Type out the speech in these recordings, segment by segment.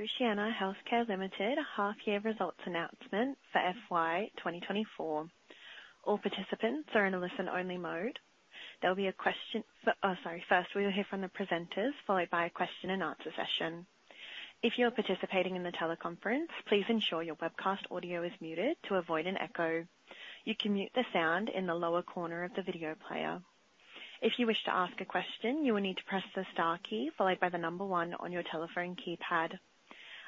The Oceania Healthcare Limited half year results announcement for FY 2024. All participants are in a listen-only mode. There will be a question. First, we will hear from the presenters, followed by a question-and-answer session. If you're participating in the teleconference, please ensure your webcast audio is muted to avoid an echo. You can mute the sound in the lower corner of the video player. If you wish to ask a question, you will need to press the star key, followed by the number one on your telephone keypad.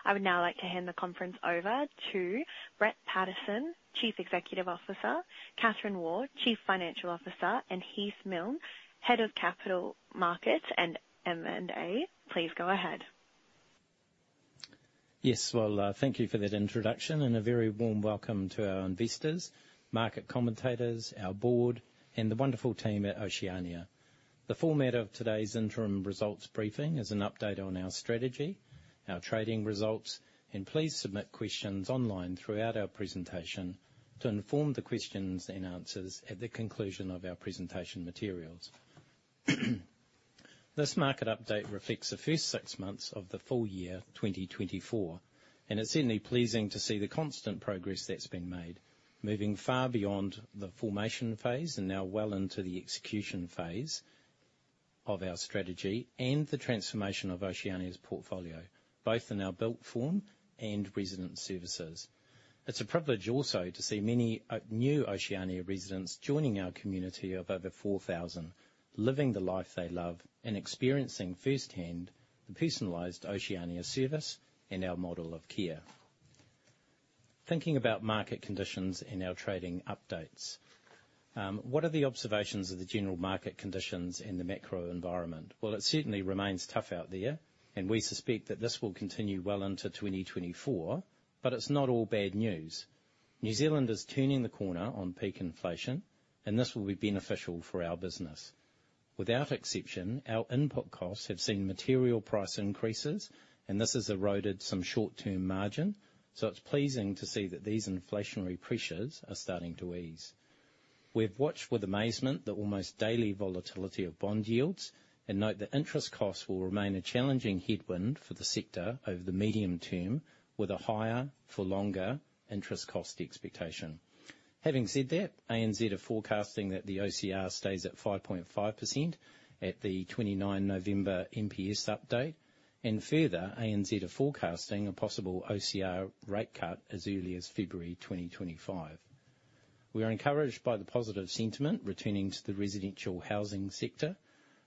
I would now like to hand the conference over to Brent Pattison, Chief Executive Officer, Kathryn Waugh, Chief Financial Officer, and Heath Milne, Head of Capital Markets and M&A. Please go ahead. Yes, well, thank you for that introduction, and a very warm welcome to our investors, market commentators, our board, and the wonderful team at Oceania. The format of today's interim results briefing is an update on our strategy, our trading results, and please submit questions online throughout our presentation to inform the questions and answers at the conclusion of our presentation materials. This market update reflects the first six months of the full year, 2024, and it's certainly pleasing to see the constant progress that's been made. Moving far beyond the formation phase and now well into the execution phase of our strategy and the transformation of Oceania's portfolio, both in our built form and resident services. It's a privilege also to see many, new Oceania residents joining our community of over 4,000, living the life they love and experiencing firsthand the personalized Oceania service and our model of care. Thinking about market conditions and our trading updates, what are the observations of the general market conditions and the macro environment? Well, it certainly remains tough out there, and we suspect that this will continue well into 2024. But it's not all bad news. New Zealand is turning the corner on peak inflation, and this will be beneficial for our business. Without exception, our input costs have seen material price increases, and this has eroded some short-term margin. So it's pleasing to see that these inflationary pressures are starting to ease. We've watched with amazement the almost daily volatility of bond yields and note that interest costs will remain a challenging headwind for the sector over the medium term, with a higher-for-longer interest cost expectation. Having said that, ANZ are forecasting that the OCR stays at 5.5% at the 29 November NPS update, and further, ANZ are forecasting a possible OCR rate cut as early as February 2025. We are encouraged by the positive sentiment returning to the residential housing sector.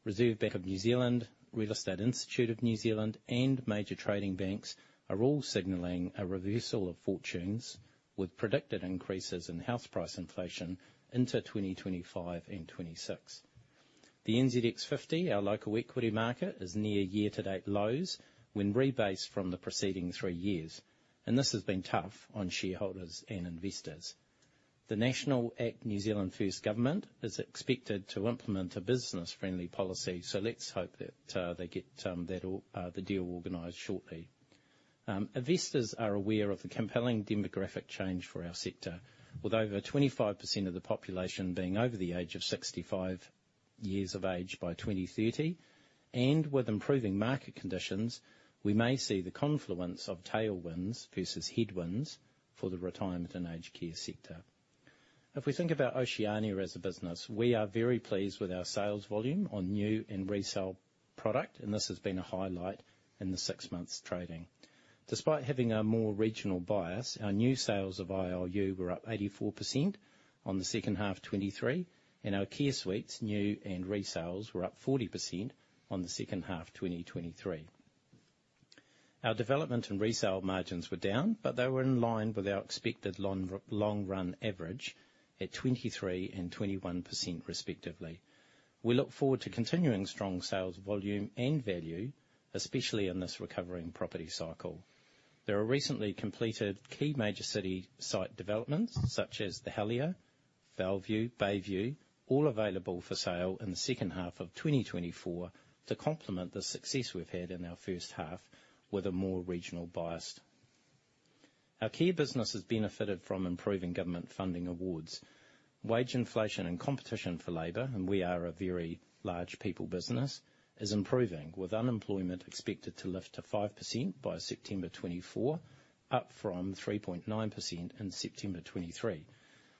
Reserve Bank of New Zealand, Real Estate Institute of New Zealand, and major trading banks are all signaling a reversal of fortunes, with predicted increases in house price inflation into 2025 and 2026. The NZX 50, our local equity market, is near year-to-date lows when rebased from the preceding three years, and this has been tough on shareholders and investors. The National, ACT, New Zealand First government is expected to implement a business-friendly policy, so let's hope that they get that all the deal organized shortly. Investors are aware of the compelling demographic change for our sector, with over 25% of the population being over the age of 65 years of age by 2030, and with improving market conditions, we may see the confluence of tailwinds versus headwinds for the retirement and aged care sector. If we think about Oceania as a business, we are very pleased with our sales volume on new and resale product, and this has been a highlight in the six months trading. Despite having a more regional bias, our new sales of ILU were up 84% on the H2 of 2023, and our care suites, new and resales, were up 40% on the H2 2023. Our development and resale margins were down, but they were in line with our expected long run average at 23% and 21% respectively. We look forward to continuing strong sales volume and value, especially in this recovering property cycle. There are recently completed key major city site developments, such as The Helier, Bellevue, Bayview, all available for sale in the H2 of 2024 to complement the success we've had in our H1 with a more regional bias. Our key business has benefited from improving government funding awards. Wage inflation and competition for labor, and we are a very large people business, is improving, with unemployment expected to lift to 5% by September 2024, up from 3.9% in September 2023.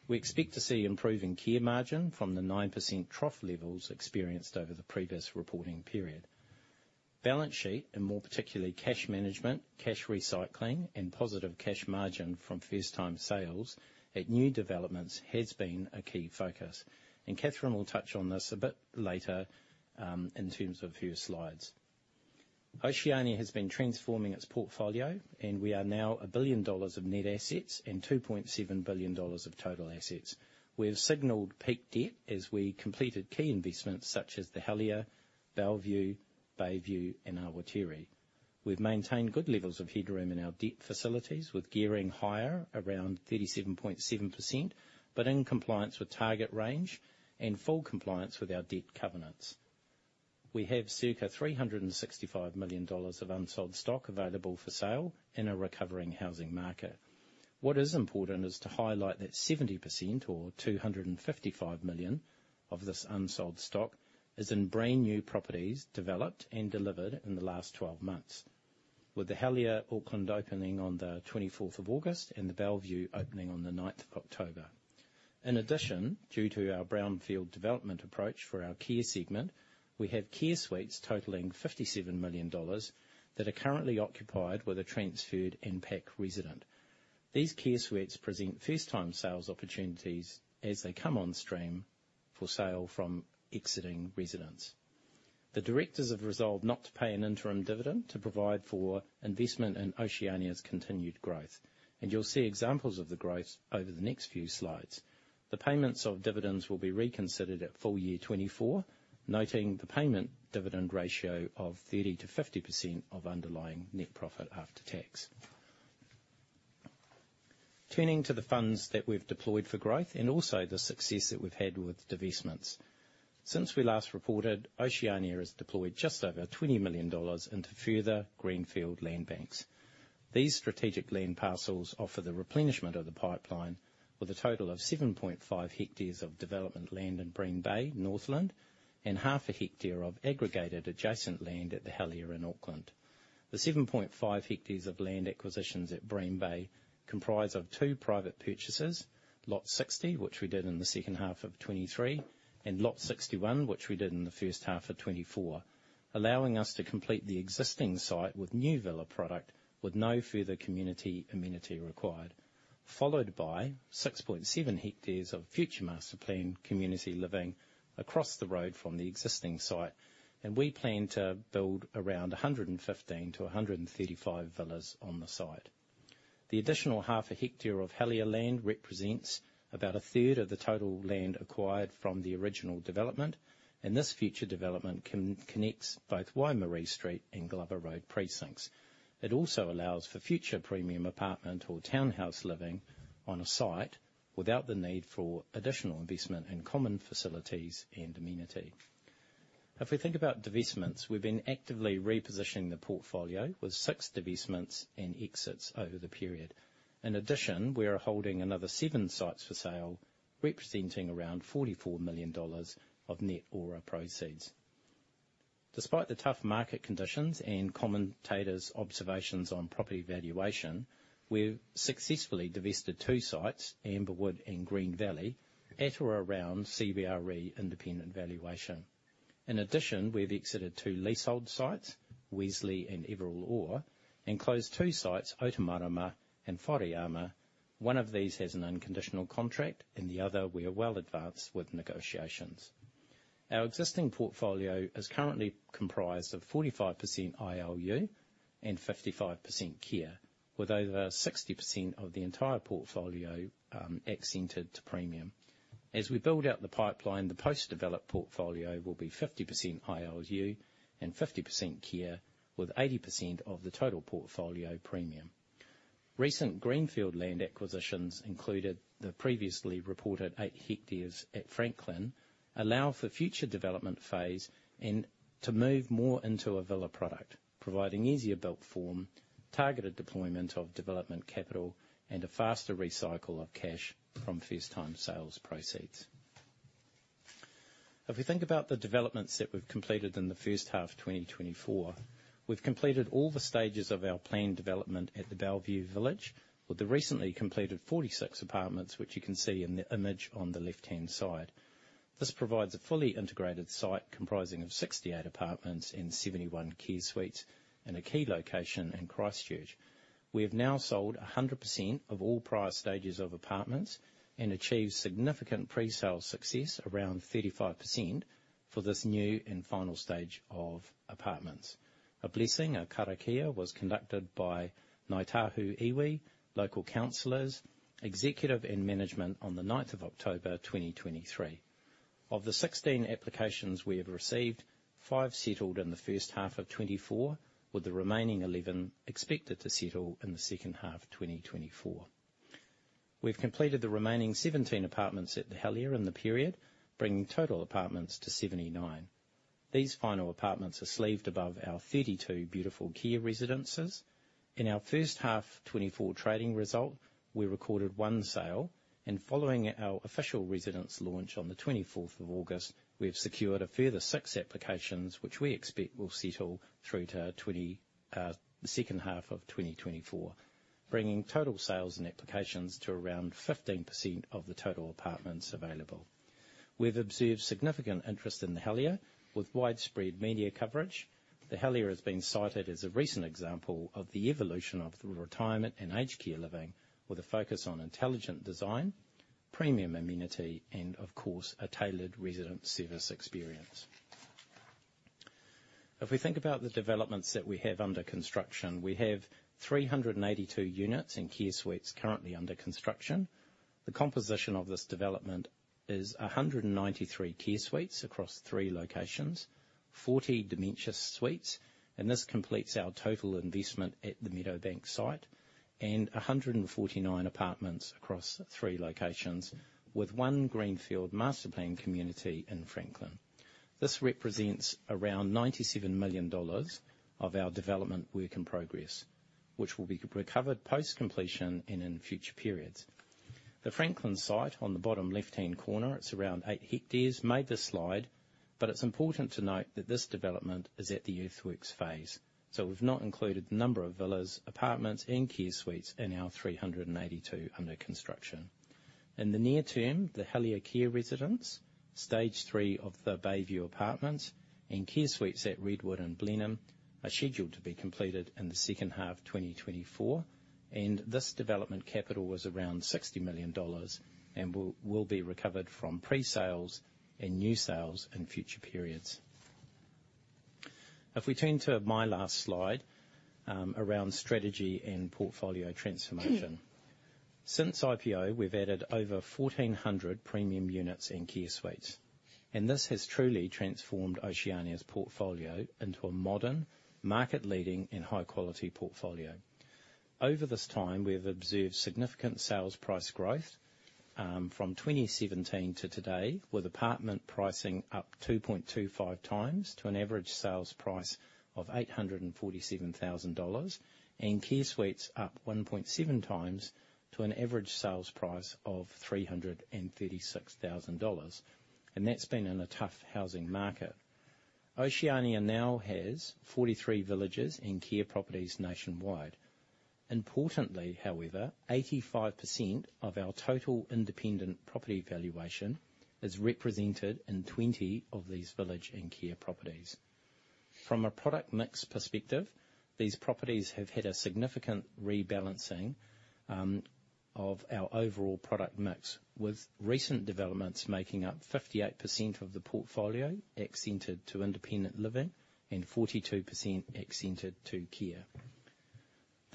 We expect to see improving care margin from the 9% trough levels experienced over the previous reporting period. Balance sheet, and more particularly cash management, cash recycling, and positive cash margin from first-time sales at new developments, has been a key focus, and Kathryn will touch on this a bit later, in terms of her slides. Oceania has been transforming its portfolio, and we are now 1 billion dollars of net assets and 2.7 billion dollars of total assets. We have signaled peak debt as we completed key investments such as The Helier, Bellevue, Bayview, and Awatere. We've maintained good levels of headroom in our debt facilities, with gearing higher around 37.7%, but in compliance with target range and full compliance with our debt covenants. We have circa 365 million dollars of unsold stock available for sale in a recovering housing market... What is important is to highlight that 70% or 255 million of this unsold stock is in brand new properties developed and delivered in the last 12 months, with the Helier Auckland opening on the 24th of August and the Bellevue opening on the 9th of October. In addition, due to our brownfield development approach for our care segment, we have care suites totaling 57 million dollars that are currently occupied with a transferred and packed resident. These care suites present first-time sales opportunities as they come on stream for sale from exiting residents. The directors have resolved not to pay an interim dividend to provide for investment in Oceania's continued growth, and you'll see examples of the growth over the next few slides. The payments of dividends will be reconsidered at full year 2024, noting the payment dividend ratio of 30%-50% of underlying net profit after tax. Turning to the funds that we've deployed for growth and also the success that we've had with divestments. Since we last reported, Oceania has deployed just over 20 million dollars into further greenfield land banks. These strategic land parcels offer the replenishment of the pipeline with a total of 7.5 hectares of development land in Bream Bay, Northland, and half a hectare of aggregated adjacent land at the Helier in Auckland. The 7.5 hectares of land acquisitions at Bream Bay comprise of two private purchases, Lot 60, which we did in the H2 of 2023, and Lot 61, which we did in the H1 of 2024, allowing us to complete the existing site with new villa product with no further community amenity required. Followed by 6.7 hectares of future master plan community living across the road from the existing site, and we plan to build around 115-135 villas on the site. The additional half a hectare of Helier land represents about a third of the total land acquired from the original development, and this future development connects both Waimarie Street and Glover Road precincts. It also allows for future premium apartment or townhouse living on a site without the need for additional investment in common facilities and amenity. If we think about divestments, we've been actively repositioning the portfolio with six divestments and exits over the period. In addition, we are holding another seven sites for sale, representing around 44 million dollars of net ORA proceeds. Despite the tough market conditions and commentators' observations on property valuation, we've successfully divested two sites, AmberWood and Green Valley, at or around CBRE independent valuation. In addition, we've exited two leasehold sites, Wesley and Everall Orr, and closed two sites, Otamarama and Whareama. One of these has an unconditional contract, and the other, we are well advanced with negotiations. Our existing portfolio is currently comprised of 45% ILU and 55% care, with over 60% of the entire portfolio allocated to premium. As we build out the pipeline, the post-developed portfolio will be 50% ILU and 50% care, with 80% of the total portfolio premium. Recent greenfield land acquisitions included the previously reported 8 hectares at Franklin, allow for future development phase and to move more into a villa product, providing easier built form, targeted deployment of development capital, and a faster recycle of cash from first-time sales proceeds. If we think about the developments that we've completed in the H1 of 2024, we've completed all the stages of our planned development at the Bellevue Village, with the recently completed 46 apartments, which you can see in the image on the left-hand side. This provides a fully integrated site comprising of 68 apartments and 71 care suites in a key location in Christchurch. We have now sold 100% of all prior stages of apartments and achieved significant presale success, around 35%, for this new and final stage of apartments. A blessing, a karakia, was conducted by Ngāi Tahu iwi, local councilors, executive, and management on the ninth of October, 2023. Of the 16 applications we have received, five settled in the H1 of 2024, with the remaining 11 expected to settle in the H2 of 2024. We've completed the remaining 17 apartments at the Helier in the period, bringing total apartments to 79. These final apartments are sleeved above our 32 beautiful care residences. In our H1 2024 trading result, we recorded one sale, and following our official residence launch on the 24th of August, we have secured a further six applications, which we expect will settle through to the H2 of 2024, bringing total sales and applications to around 15% of the total apartments available. We've observed significant interest in the Helier, with widespread media coverage. The Helier has been cited as a recent example of the evolution of the retirement and aged care living, with a focus on intelligent design, premium amenity, and of course, a tailored resident service experience. If we think about the developments that we have under construction, we have 382 units and care suites currently under construction. The composition of this development is 193 care suites across three locations, 40 dementia suites, and this completes our total investment at the Meadowbank site, and 149 apartments across three locations, with one greenfield master plan community in Franklin. This represents around 97 million dollars of our development work in progress, which will be recovered post-completion and in future periods.... The Franklin site on the bottom left-hand corner, it's around 8 hectares, made this slide, but it's important to note that this development is at the earthworks phase, so we've not included the number of villas, apartments, and care suites in our 382 under construction. In the near term, the Helier Care Residence, stage three of the Bayview Apartments, and care suites at Redwood and Blenheim are scheduled to be completed in the H2 of 2024, and this development capital was around NZD 60 million, and will be recovered from pre-sales and new sales in future periods. If we turn to my last slide, around strategy and portfolio transformation. Since IPO, we've added over 1,400 premium units and care suites, and this has truly transformed Oceania's portfolio into a modern, market-leading, and high-quality portfolio. Over this time, we have observed significant sales price growth, from 2017 to today, with apartment pricing up 2.25 times to an average sales price of 847,000 dollars, and care suites up 1.7 times to an average sales price of 336,000 dollars, and that's been in a tough housing market. Oceania now has 43 villages and care properties nationwide. Importantly, however, 85% of our total independent property valuation is represented in 20 of these village and care properties. From a product mix perspective, these properties have had a significant rebalancing, of our overall product mix, with recent developments making up 58% of the portfolio, accented to independent living, and 42% accented to care.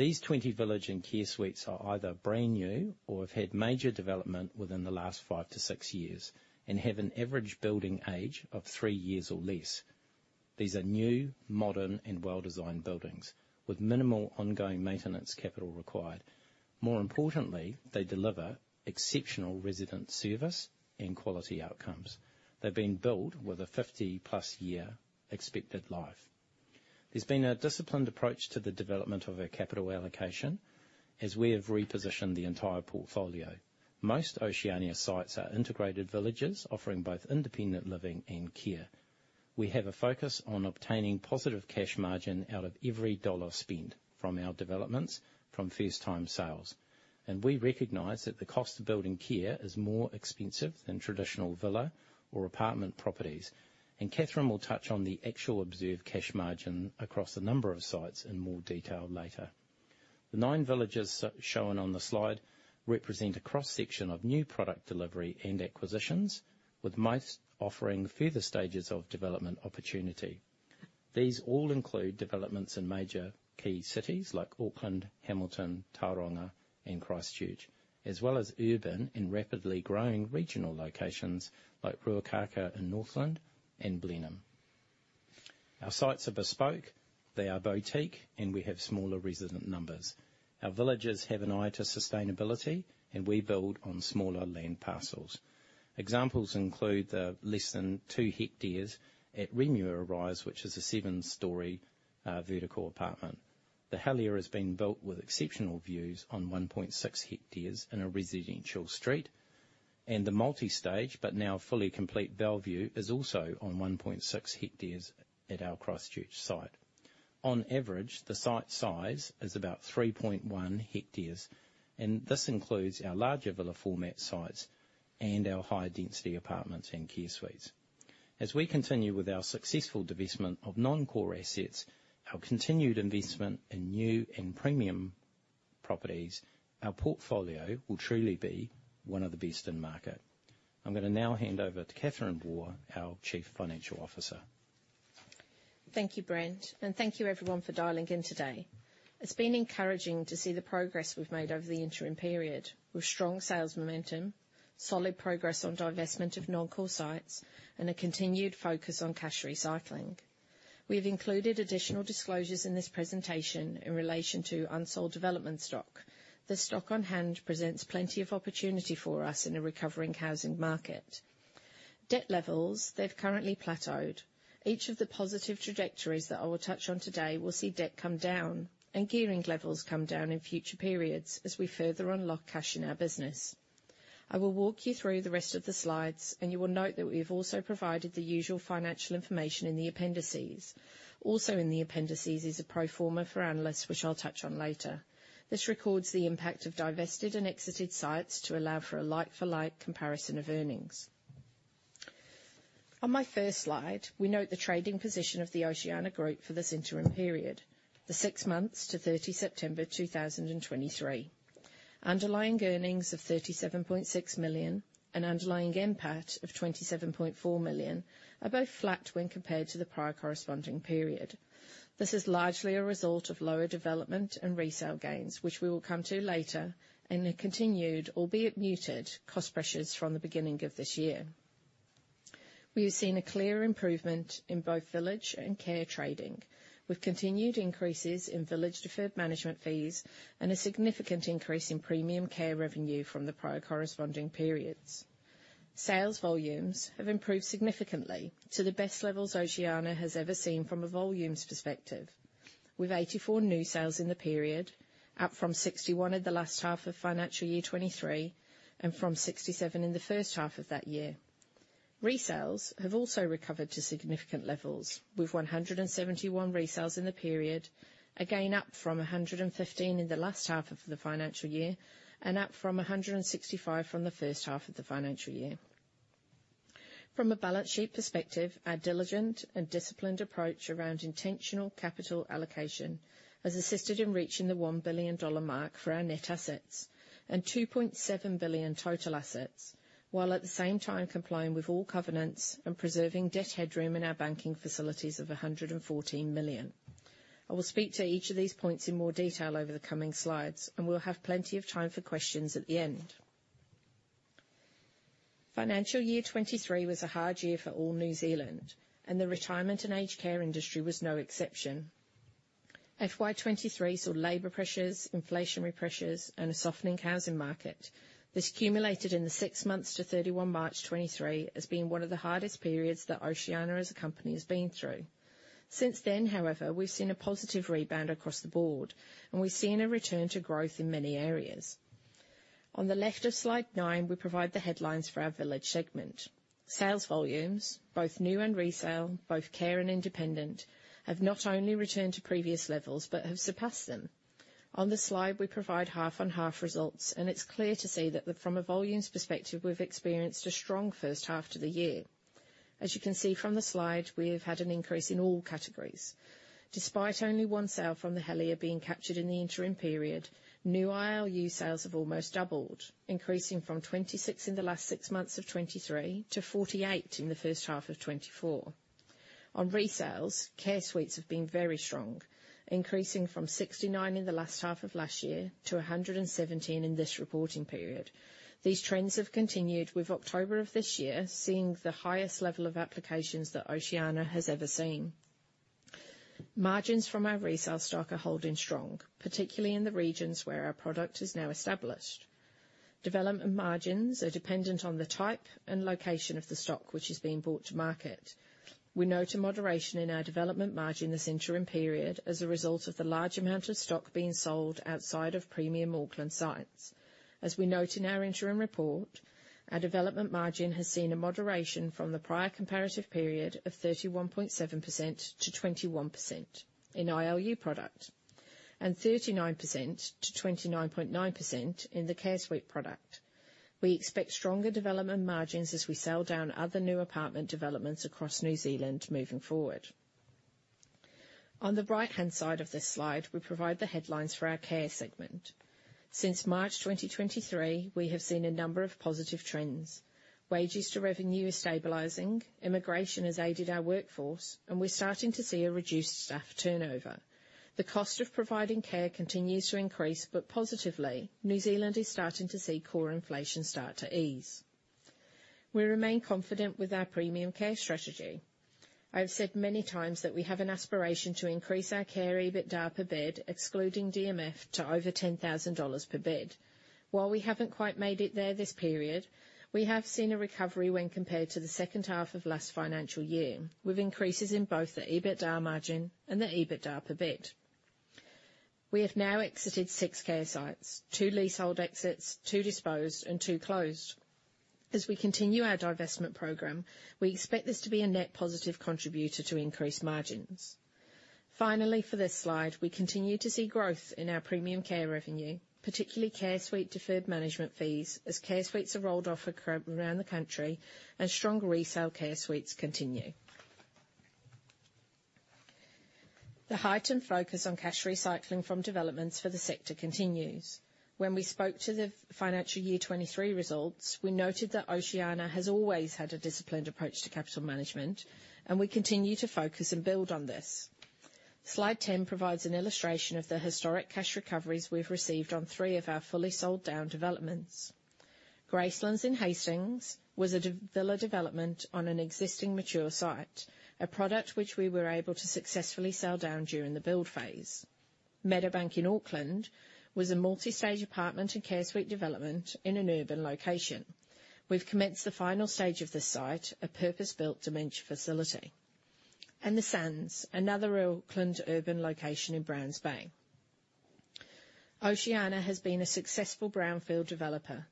These 20 village and care suites are either brand new or have had major development within the last 5-6 years and have an average building age of three years or less. These are new, modern, and well-designed buildings with minimal ongoing maintenance capital required. More importantly, they deliver exceptional resident service and quality outcomes. They've been built with a 50+ year expected life. There's been a disciplined approach to the development of our capital allocation as we have repositioned the entire portfolio. Most Oceania sites are integrated villages, offering both independent living and care. We have a focus on obtaining positive cash margin out of every dollar spent from our developments from first-time sales, and we recognize that the cost of building care is more expensive than traditional villa or apartment properties, and Kathryn will touch on the actual observed cash margin across a number of sites in more detail later. The nine villages shown on the slide represent a cross-section of new product delivery and acquisitions, with most offering further stages of development opportunity. These all include developments in major key cities like Auckland, Hamilton, Tauranga, and Christchurch, as well as urban and rapidly growing regional locations like Ruakaka in Northland and Blenheim. Our sites are bespoke, they are boutique, and we have smaller resident numbers. Our villages have an eye to sustainability, and we build on smaller land parcels. Examples include the less than 2 hectares at Remuera Rise, which is a 7-story vertical apartment. The Helier has been built with exceptional views on 1.6 hectares in a residential street, and the multi-stage, but now fully complete, Bellevue is also on 1.6 hectares at our Christchurch site. On average, the site size is about 3.1 hectares, and this includes our larger villa format sites and our higher density apartments and care suites. As we continue with our successful divestment of non-core assets, our continued investment in new and premium properties, our portfolio will truly be one of the best in market. I'm gonna now hand over to Kathryn Waugh, our Chief Financial Officer. Thank you, Brent, and thank you everyone for dialing in today. It's been encouraging to see the progress we've made over the interim period, with strong sales momentum, solid progress on divestment of non-core sites, and a continued focus on cash recycling. We have included additional disclosures in this presentation in relation to unsold development stock. The stock on hand presents plenty of opportunity for us in a recovering housing market. Debt levels, they've currently plateaued. Each of the positive trajectories that I will touch on today will see debt come down and gearing levels come down in future periods as we further unlock cash in our business. I will walk you through the rest of the slides, and you will note that we have also provided the usual financial information in the appendices. Also in the appendices is a pro forma for analysts, which I'll touch on later. This records the impact of divested and exited sites to allow for a like-for-like comparison of earnings. On my first slide, we note the trading position of the Oceania Group for this interim period, the six months to 30 September 2023. Underlying earnings of 37.6 million and underlying NPAT of 27.4 million are both flat when compared to the prior corresponding period. This is largely a result of lower development and resale gains, which we will come to later, and the continued, albeit muted, cost pressures from the beginning of this year. We have seen a clear improvement in both village and care trading, with continued increases in village deferred management fees and a significant increase in premium care revenue from the prior corresponding periods.... Sales volumes have improved significantly to the best levels Oceania has ever seen from a volumes perspective, with 84 new sales in the period, up from 61 in the last half of financial year 2023, and from 67 in the H1 of that year. Resales have also recovered to significant levels, with 171 resales in the period, again, up from 115 in the last half of the financial year, and up from 165 from the H1 of the financial year. From a balance sheet perspective, our diligent and disciplined approach around intentional capital allocation has assisted in reaching the 1 billion dollar mark for our net assets and 2.7 billion total assets, while at the same time complying with all covenants and preserving debt headroom in our banking facilities of 114 million. I will speak to each of these points in more detail over the coming slides, and we'll have plenty of time for questions at the end. Financial year 2023 was a hard year for all New Zealand, and the retirement and aged care industry was no exception. FY 2023 saw labor pressures, inflationary pressures, and a softening housing market. This culminated in the six months to 31 March 2023 as being one of the hardest periods that Oceania, as a company, has been through. Since then, however, we've seen a positive rebound across the board, and we've seen a return to growth in many areas. On the left of Slide nine, we provide the headlines for our Village segment. Sales volumes, both new and resale, both care and independent, have not only returned to previous levels but have surpassed them. On this slide, we provide half-on-half results, and it's clear to see that from a volumes perspective, we've experienced a strong H1 to the year. As you can see from the slide, we have had an increase in all categories. Despite only one sale from the Helier being captured in the interim period, new ILU sales have almost doubled, increasing from 26 in the last six months of 2023 to 48 in the H1 of 2024. On resales, Care Suites have been very strong, increasing from 69 in the last half of last year to 117 in this reporting period. These trends have continued, with October of this year seeing the highest level of applications that Oceania has ever seen. Margins from our resale stock are holding strong, particularly in the regions where our product is now established. Development margins are dependent on the type and location of the stock which is being brought to market. We note a moderation in our development margin this interim period as a result of the large amount of stock being sold outside of premium Auckland sites. As we note in our interim report, our development margin has seen a moderation from the prior comparative period of 31.7% to 21% in ILU product, and 39% to 29.9% in the Care Suite product. We expect stronger development margins as we sell down other new apartment developments across New Zealand moving forward. On the right-hand side of this slide, we provide the headlines for our care segment. Since March 2023, we have seen a number of positive trends. Wages to revenue are stabilizing, immigration has aided our workforce, and we're starting to see a reduced staff turnover. The cost of providing care continues to increase, but positively, New Zealand is starting to see core inflation start to ease. We remain confident with our premium care strategy. I have said many times that we have an aspiration to increase our care EBITDA per bed, excluding DMF, to over 10,000 dollars per bed. While we haven't quite made it there this period, we have seen a recovery when compared to the H2 of last financial year, with increases in both the EBITDA margin and the EBITDA per bed. We have now exited six care sites, two leasehold exits, two disposed, and two closed. As we continue our divestment program, we expect this to be a net positive contributor to increased margins. Finally, for this slide, we continue to see growth in our premium care revenue, particularly Care Suite deferred management fees, as Care Suites are rolled off around the country and strong resale Care Suites continue. The heightened focus on cash recycling from developments for the sector continues. When we spoke to the financial year 2023 results, we noted that Oceania has always had a disciplined approach to capital management, and we continue to focus and build on this. Slide 10 provides an illustration of the historic cash recoveries we've received on three of our fully sold down developments. Gracelands in Hastings was a villa development on an existing mature site, a product which we were able to successfully sell down during the build phase. Meadowbank in Auckland was a multi-stage apartment and Care Suite development in an urban location. We've commenced the final stage of this site, a purpose-built dementia facility. The Sands, another Auckland urban location in Browns Bay. Oceania has been a successful brownfield developer.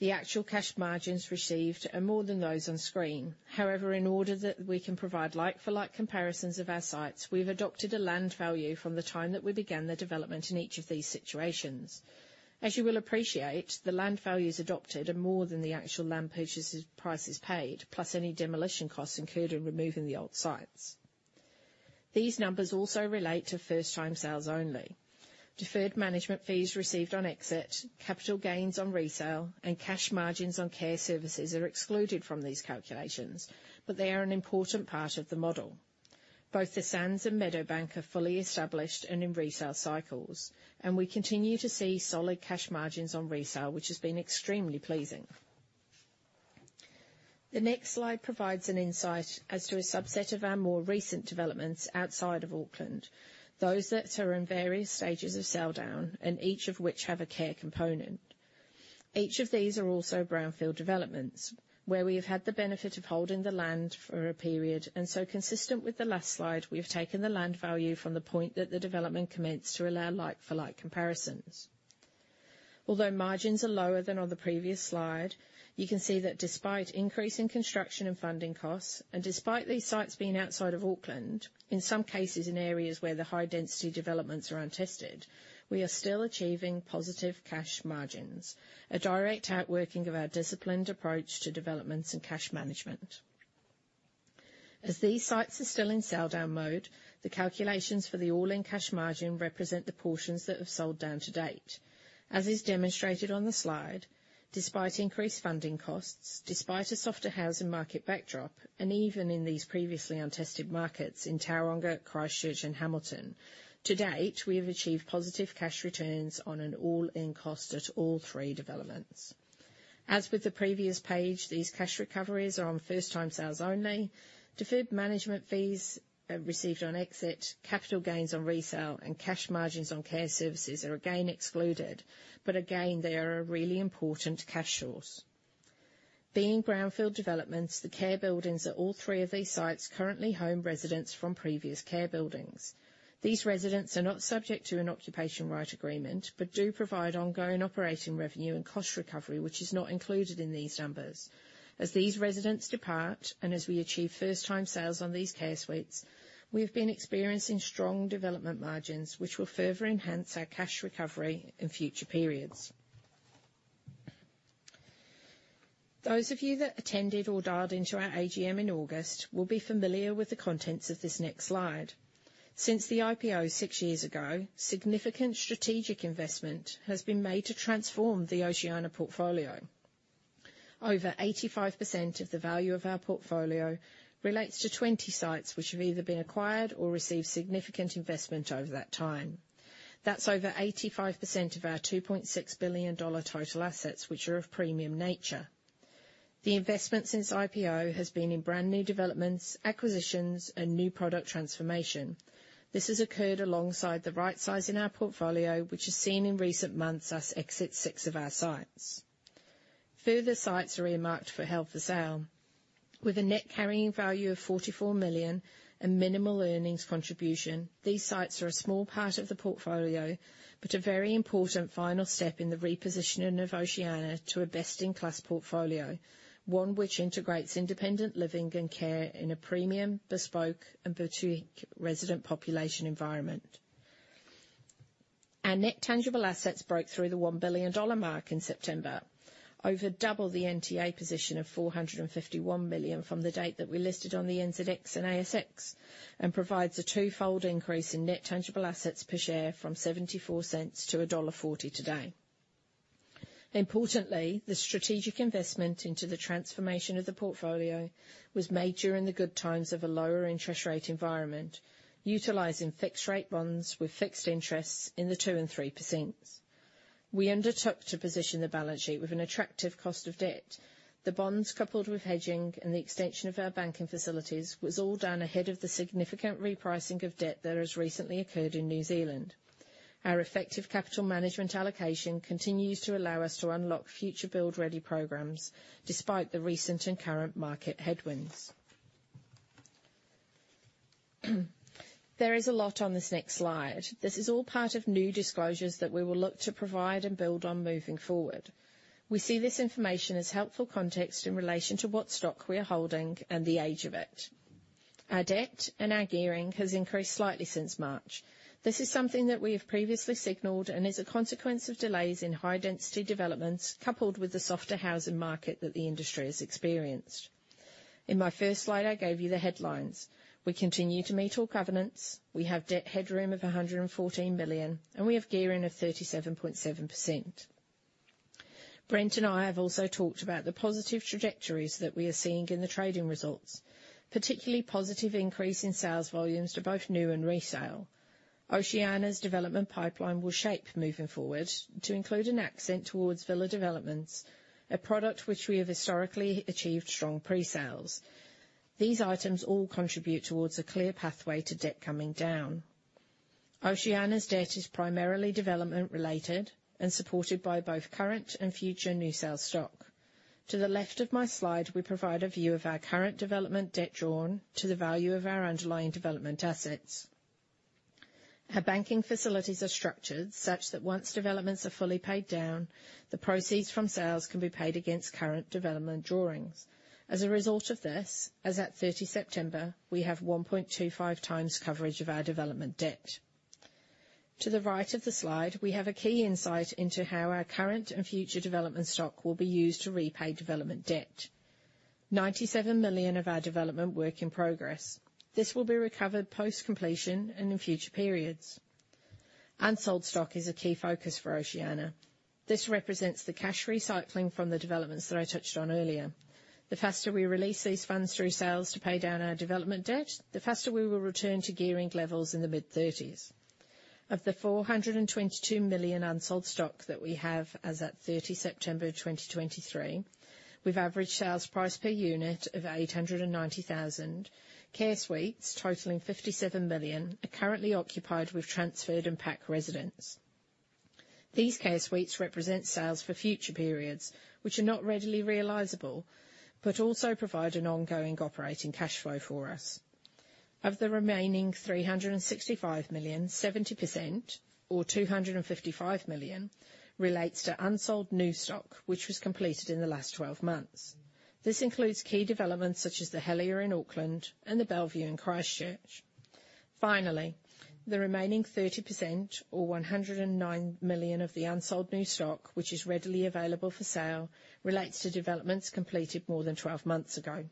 The actual cash margins received are more than those on screen. However, in order that we can provide like-for-like comparisons of our sites, we've adopted a land value from the time that we began the development in each of these situations. As you will appreciate, the land values adopted are more than the actual land purchases, prices paid, plus any demolition costs incurred in removing the old sites. These numbers also relate to first-time sales only. Deferred management fees received on exit, capital gains on resale, and cash margins on care services are excluded from these calculations, but they are an important part of the model. Both The Sands and Meadowbank are fully established and in resale cycles, and we continue to see solid cash margins on resale, which has been extremely pleasing. The next slide provides an insight as to a subset of our more recent developments outside of Auckland, those that are in various stages of sell-down, and each of which have a care component. Each of these are also brownfield developments, where we have had the benefit of holding the land for a period, and so consistent with the last slide, we have taken the land value from the point that the development commenced to allow like-for-like comparisons. Although margins are lower than on the previous slide, you can see that despite increase in construction and funding costs, and despite these sites being outside of Auckland, in some cases, in areas where the high-density developments are untested, we are still achieving positive cash margins, a direct outworking of our disciplined approach to developments and cash management. As these sites are still in sell-down mode, the calculations for the all-in cash margin represent the portions that have sold down to date. As is demonstrated on the slide, despite increased funding costs, despite a softer housing market backdrop, and even in these previously untested markets in Tauranga, Christchurch, and Hamilton, to date, we have achieved positive cash returns on an all-in cost at all three developments. As with the previous page, these cash recoveries are on first-time sales only. Deferred management fees received on exit, capital gains on resale, and cash margins on care services are again excluded, but again, they are a really important cash source. Being brownfield developments, the care buildings at all three of these sites currently home residents from previous care buildings. These residents are not subject to an occupation right agreement, but do provide ongoing operating revenue and cost recovery, which is not included in these numbers. As these residents depart, and as we achieve first-time sales on these care suites, we have been experiencing strong development margins, which will further enhance our cash recovery in future periods. Those of you that attended or dialed into our AGM in August will be familiar with the contents of this next slide. Since the IPO six years ago, significant strategic investment has been made to transform the Oceania portfolio. Over 85% of the value of our portfolio relates to 20 sites, which have either been acquired or received significant investment over that time. That's over 85% of our 2.6 billion dollar total assets, which are of premium nature. The investment since IPO has been in brand-new developments, acquisitions, and new product transformation. This has occurred alongside the right sizing our portfolio, which has seen in recent months us exit six of our sites. Further sites are earmarked for held for sale. With a net carrying value of 44 million and minimal earnings contribution, these sites are a small part of the portfolio, but a very important final step in the repositioning of Oceania to a best-in-class portfolio, one which integrates independent living and care in a premium, bespoke, and boutique resident population environment. Our net tangible assets broke through the 1 billion dollar mark in September, over double the NTA position of 451 million from the date that we listed on the NZX and ASX, and provides a twofold increase in net tangible assets per share from 74 cents to NZD 1.40 today. Importantly, the strategic investment into the transformation of the portfolio was made during the good times of a lower interest rate environment, utilizing fixed-rate bonds with fixed interests in the 2%-3%. We undertook to position the balance sheet with an attractive cost of debt. The bonds, coupled with hedging and the extension of our banking facilities, was all done ahead of the significant repricing of debt that has recently occurred in New Zealand. Our effective capital management allocation continues to allow us to unlock future build-ready programs, despite the recent and current market headwinds. There is a lot on this next slide. This is all part of new disclosures that we will look to provide and build on moving forward. We see this information as helpful context in relation to what stock we are holding and the age of it. Our debt and our gearing has increased slightly since March. This is something that we have previously signaled and is a consequence of delays in high-density developments, coupled with the softer housing market that the industry has experienced. In my first slide, I gave you the headlines. We continue to meet all covenants, we have debt headroom of 114 million, and we have gearing of 37.7%. Brent and I have also talked about the positive trajectories that we are seeing in the trading results, particularly positive increase in sales volumes to both new and resale. Oceania's development pipeline will shape moving forward to include an emphasis towards villa developments, a product which we have historically achieved strong presales. These items all contribute towards a clear pathway to debt coming down. Oceania's debt is primarily development-related and supported by both current and future new sales stock. To the left of my slide, we provide a view of our current development debt drawn to the value of our underlying development assets. Our banking facilities are structured such that once developments are fully paid down, the proceeds from sales can be paid against current development drawings. As a result of this, as at 30 September, we have 1.25 times coverage of our development debt. To the right of the slide, we have a key insight into how our current and future development stock will be used to repay development debt. 97 million of our development work in progress. This will be recovered post-completion and in future periods. Unsold stock is a key focus for Oceania. This represents the cash recycling from the developments that I touched on earlier. The faster we release these funds through sales to pay down our development debt, the faster we will return to gearing levels in the mid-thirties.... Of the 422 million unsold stock that we have as at 30 September 2023, with average sales price per unit of 890,000, care suites totaling 57 million are currently occupied with transferred and PAC residents. These care suites represent sales for future periods, which are not readily realizable, but also provide an ongoing operating cash flow for us. Of the remaining 365 million, 70%, or 255 million, relates to unsold new stock, which was completed in the last 12 months. This includes key developments such as The Helier in Auckland and the Bellevue in Christchurch. Finally, the remaining 30%, or 109 million of the unsold new stock, which is readily available for sale, relates to developments completed more than 12 months ago.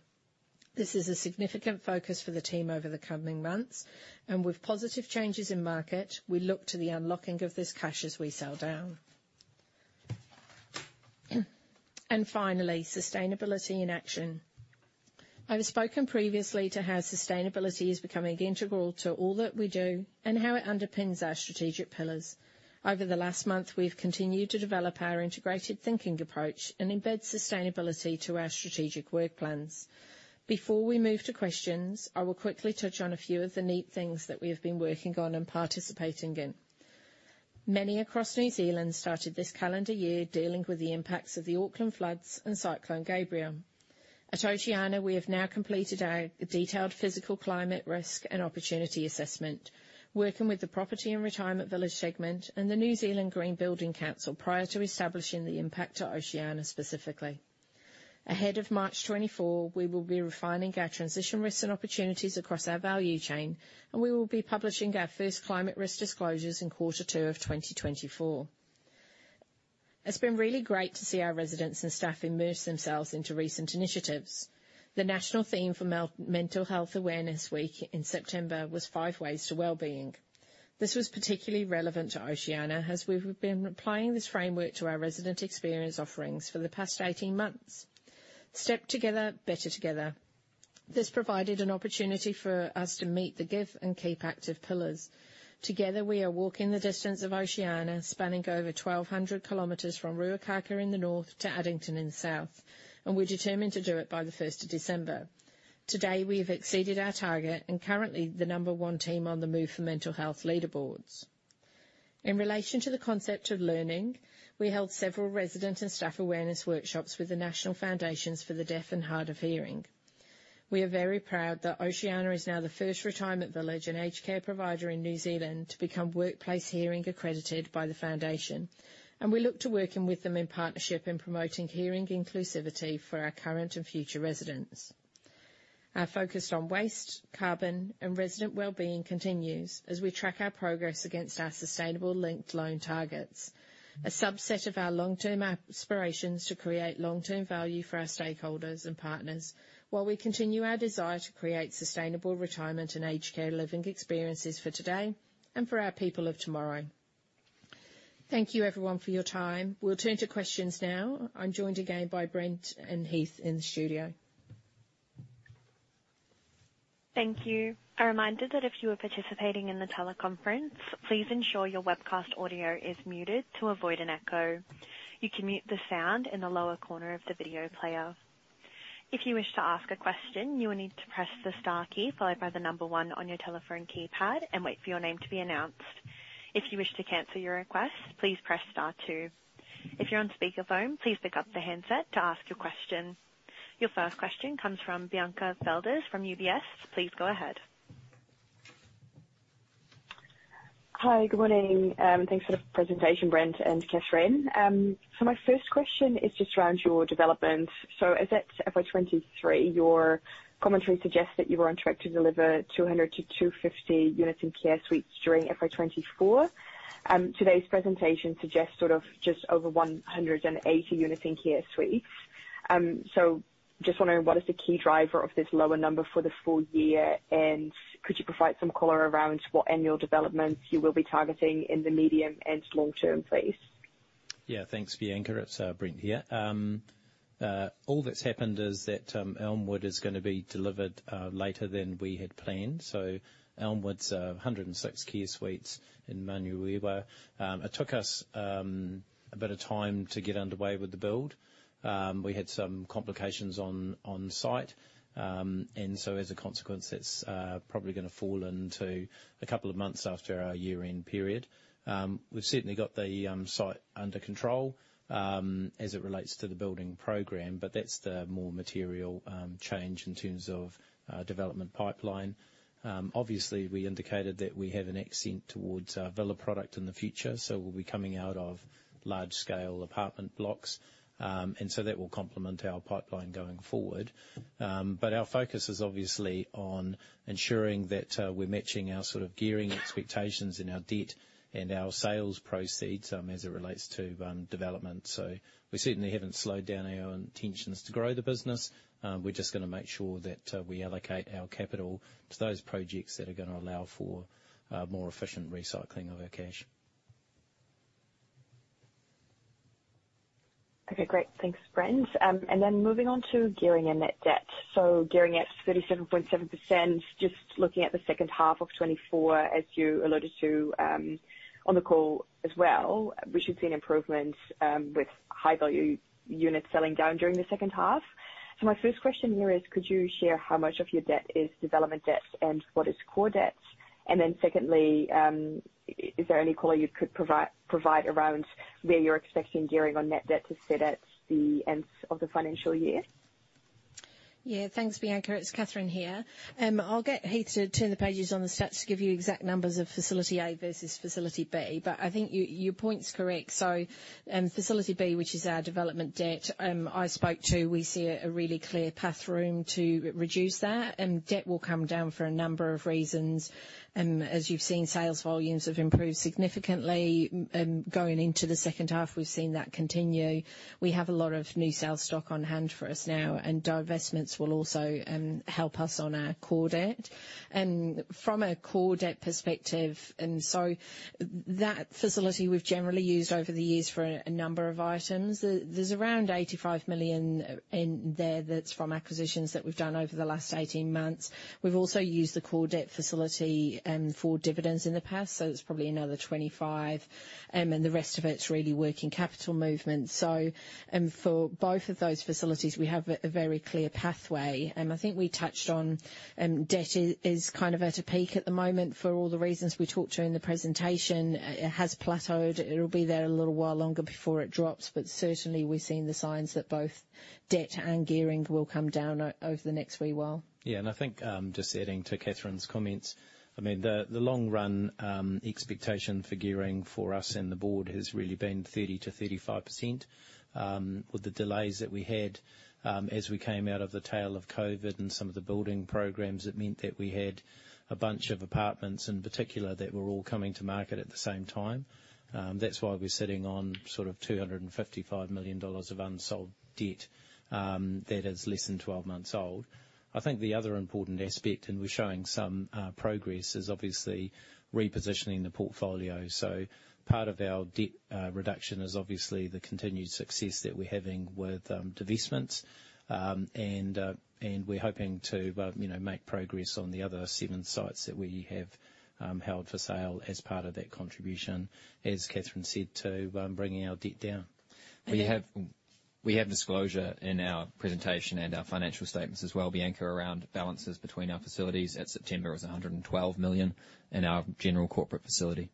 This is a significant focus for the team over the coming months, and with positive changes in market, we look to the unlocking of this cash as we sell down. And finally, sustainability in action. I've spoken previously to how sustainability is becoming integral to all that we do and how it underpins our strategic pillars. Over the last month, we've continued to develop our integrated thinking approach and embed sustainability to our strategic work plans. Before we move to questions, I will quickly touch on a few of the neat things that we have been working on and participating in. Many across New Zealand started this calendar year dealing with the impacts of the Auckland floods and Cyclone Gabrielle. At Oceania, we have now completed our detailed physical climate risk and opportunity assessment, working with the property and retirement village segment and the New Zealand Green Building Council prior to establishing the impact to Oceania specifically. Ahead of March 2024, we will be refining our transition risks and opportunities across our value chain, and we will be publishing our first climate risk disclosures in quarter two of 2024. It's been really great to see our residents and staff immerse themselves into recent initiatives. The national theme for Mental Health Awareness Week in September was five ways to wellbeing. This was particularly relevant to Oceania, as we've been applying this framework to our resident experience offerings for the past 18 months. Step together, better together. This provided an opportunity for us to meet the give and keep active pillars. Together, we are walking the distance of Oceania, spanning over 1,200 kilometers from Ruakaka in the north to Addington in the south, and we're determined to do it by the first of December. Today, we have exceeded our target and currently the number one team on the Move for Mental Health leaderboards. In relation to the concept of learning, we held several resident and staff awareness workshops with the National Foundations for the Deaf and Hard of Hearing. We are very proud that Oceania is now the first retirement village and aged care provider in New Zealand to become Workplace Hearing accredited by the foundation, and we look to working with them in partnership in promoting hearing inclusivity for our current and future residents. Our focus on waste, carbon, and resident wellbeing continues as we track our progress against our sustainable linked loan targets, a subset of our long-term aspirations to create long-term value for our stakeholders and partners, while we continue our desire to create sustainable retirement and aged care living experiences for today and for our people of tomorrow. Thank you everyone for your time. We'll turn to questions now. I'm joined again by Brent and Heath in the studio. Thank you. A reminder that if you are participating in the teleconference, please ensure your webcast audio is muted to avoid an echo. You can mute the sound in the lower corner of the video player. If you wish to ask a question, you will need to press the star key followed by the number one on your telephone keypad and wait for your name to be announced. If you wish to cancel your request, please press star two. If you're on speakerphone, please pick up the handset to ask your question. Your first question comes from Bianca Velders from UBS. Please go ahead. Hi, good morning. Thanks for the presentation, Brent and Kathryn. So my first question is just around your development. So as at FY 2023, your commentary suggests that you are on track to deliver 200-250 units in care suites during FY 2024. Today's presentation suggests sort of just over 180 units in care suites. So just wondering, what is the key driver of this lower number for the full year? And could you provide some color around what annual developments you will be targeting in the medium and long term, please? Yeah, thanks, Bianca. It's Brent here. All that's happened is that Elmwood is gonna be delivered later than we had planned. So Elmwood's 106 care suites in Manurewa. It took us a bit of time to get underway with the build. We had some complications on site. And so as a consequence, that's probably gonna fall into a couple of months after our year-end period. We've certainly got the site under control as it relates to the building program, but that's the more material change in terms of development pipeline. Obviously, we indicated that we have an emphasis towards our villa product in the future, so we'll be coming out of large-scale apartment blocks. And so that will complement our pipeline going forward. But our focus is obviously on ensuring that we're matching our sort of gearing expectations and our debt and our sales proceeds, as it relates to development. So we certainly haven't slowed down our intentions to grow the business. We're just gonna make sure that we allocate our capital to those projects that are gonna allow for more efficient recycling of our cash. ... Okay, great. Thanks, Brent. And then moving on to gearing and net debt. So gearing at 37.7%, just looking at the H2 of 2024, as you alluded to, on the call as well, we should see an improvement, with high-value units selling down during the H2. So my first question here is, could you share how much of your debt is development debt and what is core debt? And then secondly, is there any color you could provide around where you're expecting gearing on net debt to sit at the end of the financial year? Yeah. Thanks, Bianca. It's Kathryn here. I'll get Heath to turn the pages on the stats to give you exact numbers of Facility A versus Facility B, but I think your point's correct. So, Facility B, which is our development debt, I spoke to, we see a really clear path to reduce that, and debt will come down for a number of reasons. As you've seen, sales volumes have improved significantly. Going into the H2, we've seen that continue. We have a lot of new sales stock on hand for us now, and divestments will also help us on our core debt. From a core debt perspective, and so that facility we've generally used over the years for a number of items. There, there's around 85 million in there that's from acquisitions that we've done over the last 18 months. We've also used the core debt facility for dividends in the past, so it's probably another 25 million, and the rest of it's really working capital movement. So, for both of those facilities, we have a very clear pathway. I think we touched on, debt is kind of at a peak at the moment for all the reasons we talked during the presentation. It has plateaued. It'll be there a little while longer before it drops, but certainly we've seen the signs that both debt and gearing will come down over the next wee while. Yeah, and I think, just adding to Kathryn's comments, I mean, the long run expectation for gearing for us and the board has really been 30%-35%. With the delays that we had, as we came out of the tail of COVID and some of the building programs, it meant that we had a bunch of apartments in particular that were all coming to market at the same time. That's why we're sitting on sort of 255 million dollars of unsold debt, that is less than 12 months old. I think the other important aspect, and we're showing some progress, is obviously repositioning the portfolio. So part of our debt reduction is obviously the continued success that we're having with divestments. And we're hoping to, you know, make progress on the other seven sites that we have held for sale as part of that contribution, as Kathryn said, to bringing our debt down. We have disclosure in our presentation and our financial statements as well, Bianca, around balances between our facilities. At September, it was 112 million in our general corporate facility.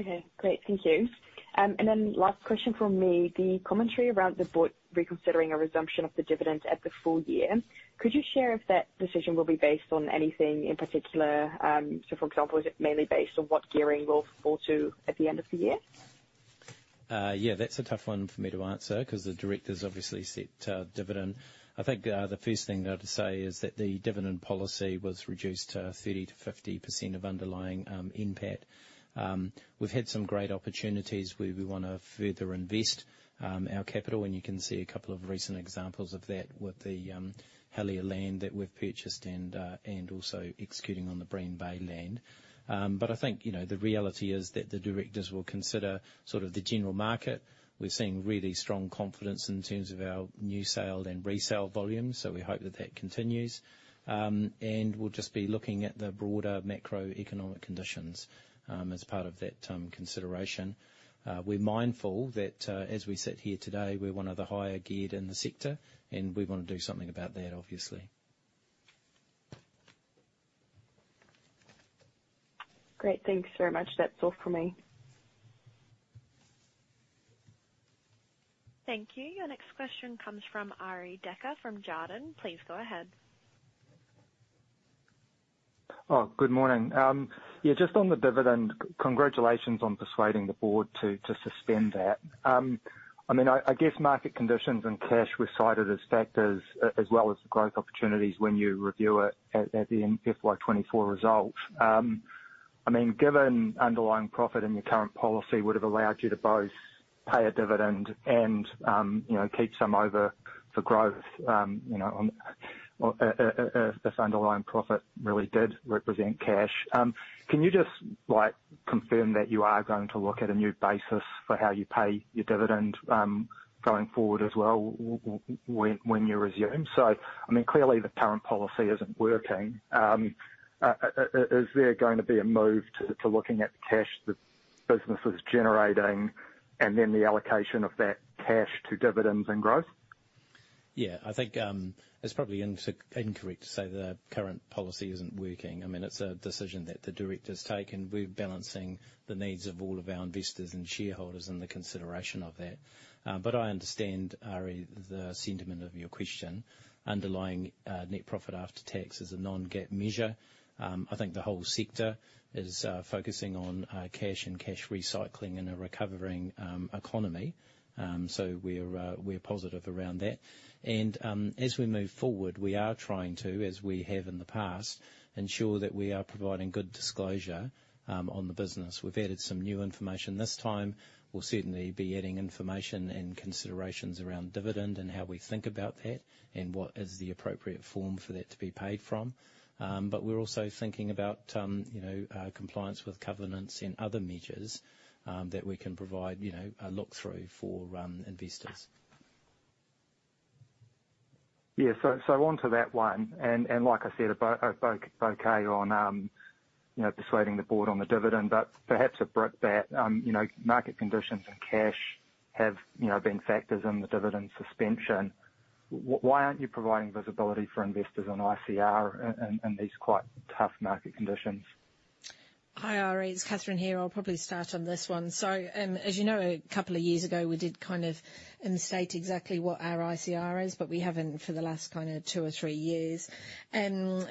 Okay, great. Thank you. And then last question from me, the commentary around the board reconsidering a resumption of the dividend at the full year, could you share if that decision will be based on anything in particular? So for example, is it mainly based on what gearing will fall to at the end of the year? Yeah, that's a tough one for me to answer, 'cause the directors obviously set dividend. I think the first thing I'd to say is that the dividend policy was reduced to 30%-50% of underlying NPAT. We've had some great opportunities where we wanna further invest our capital, and you can see a couple of recent examples of that with the Helier land that we've purchased and also executing on the Bream Bay land. But I think, you know, the reality is that the directors will consider sort of the general market. We're seeing really strong confidence in terms of our new sale and resale volumes, so we hope that that continues. And we'll just be looking at the broader macroeconomic conditions as part of that consideration. We're mindful that, as we sit here today, we're one of the higher geared in the sector, and we want to do something about that, obviously. Great. Thanks very much. That's all for me. Thank you. Your next question comes from Arie Dekker from Jarden. Please go ahead. Oh, good morning. Yeah, just on the dividend, congratulations on persuading the board to suspend that. I mean, I guess market conditions and cash were cited as factors, as well as the growth opportunities when you review it at the end FY 2024 results. I mean, given underlying profit and your current policy would have allowed you to both pay a dividend and, you know, keep some over for growth, you know, if underlying profit really did represent cash. Can you just, like, confirm that you are going to look at a new basis for how you pay your dividend, going forward as well, when you resume? I mean, clearly, the current policy isn't working. Is there going to be a move to looking at the cash the business is generating and then the allocation of that cash to dividends and growth? Yeah, I think it's probably incorrect to say the current policy isn't working. I mean, it's a decision that the directors take, and we're balancing the needs of all of our investors and shareholders in the consideration of that. But I understand, Arie, the sentiment of your question. Underlying net profit after tax is a non-GAAP measure. I think the whole sector is focusing on cash and cash recycling in a recovering economy. So we're positive around that. And as we move forward, we are trying to, as we have in the past, ensure that we are providing good disclosure on the business. We've added some new information this time. We'll certainly be adding information and considerations around dividend and how we think about that, and what is the appropriate form for that to be paid from. But we're also thinking about, you know, compliance with covenants and other measures that we can provide, you know, a look through for investors. Yeah. So onto that one, and like I said, a bouquet on, you know, persuading the board on the dividend, but perhaps a brickbat. You know, market conditions and cash have, you know, been factors in the dividend suspension. Why aren't you providing visibility for investors on ICR in these quite tough market conditions? Hi, Arie, it's Kathryn here. I'll probably start on this one. So, as you know, a couple of years ago, we did kind of state exactly what our ICR is, but we haven't for the last kind of two or three years.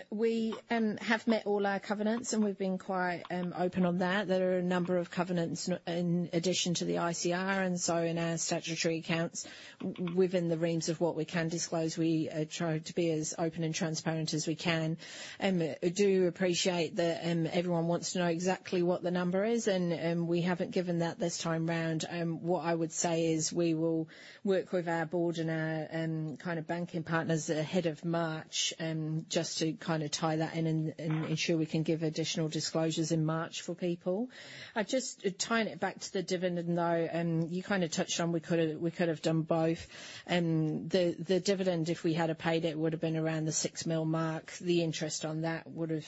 We have met all our covenants, and we've been quite open on that. There are a number of covenants in addition to the ICR, and so in our statutory accounts, within the realms of what we can disclose, we try to be as open and transparent as we can. I do appreciate that everyone wants to know exactly what the number is, and, and we haven't given that this time around. What I would say is we will work with our board and our kind of banking partners ahead of March, just to kind of tie that in and ensure we can give additional disclosures in March for people. I've just tying it back to the dividend, though, you kind of touched on we could, we could have done both. The dividend, if we had have paid it, would have been around the 6 million mark. The interest on that would have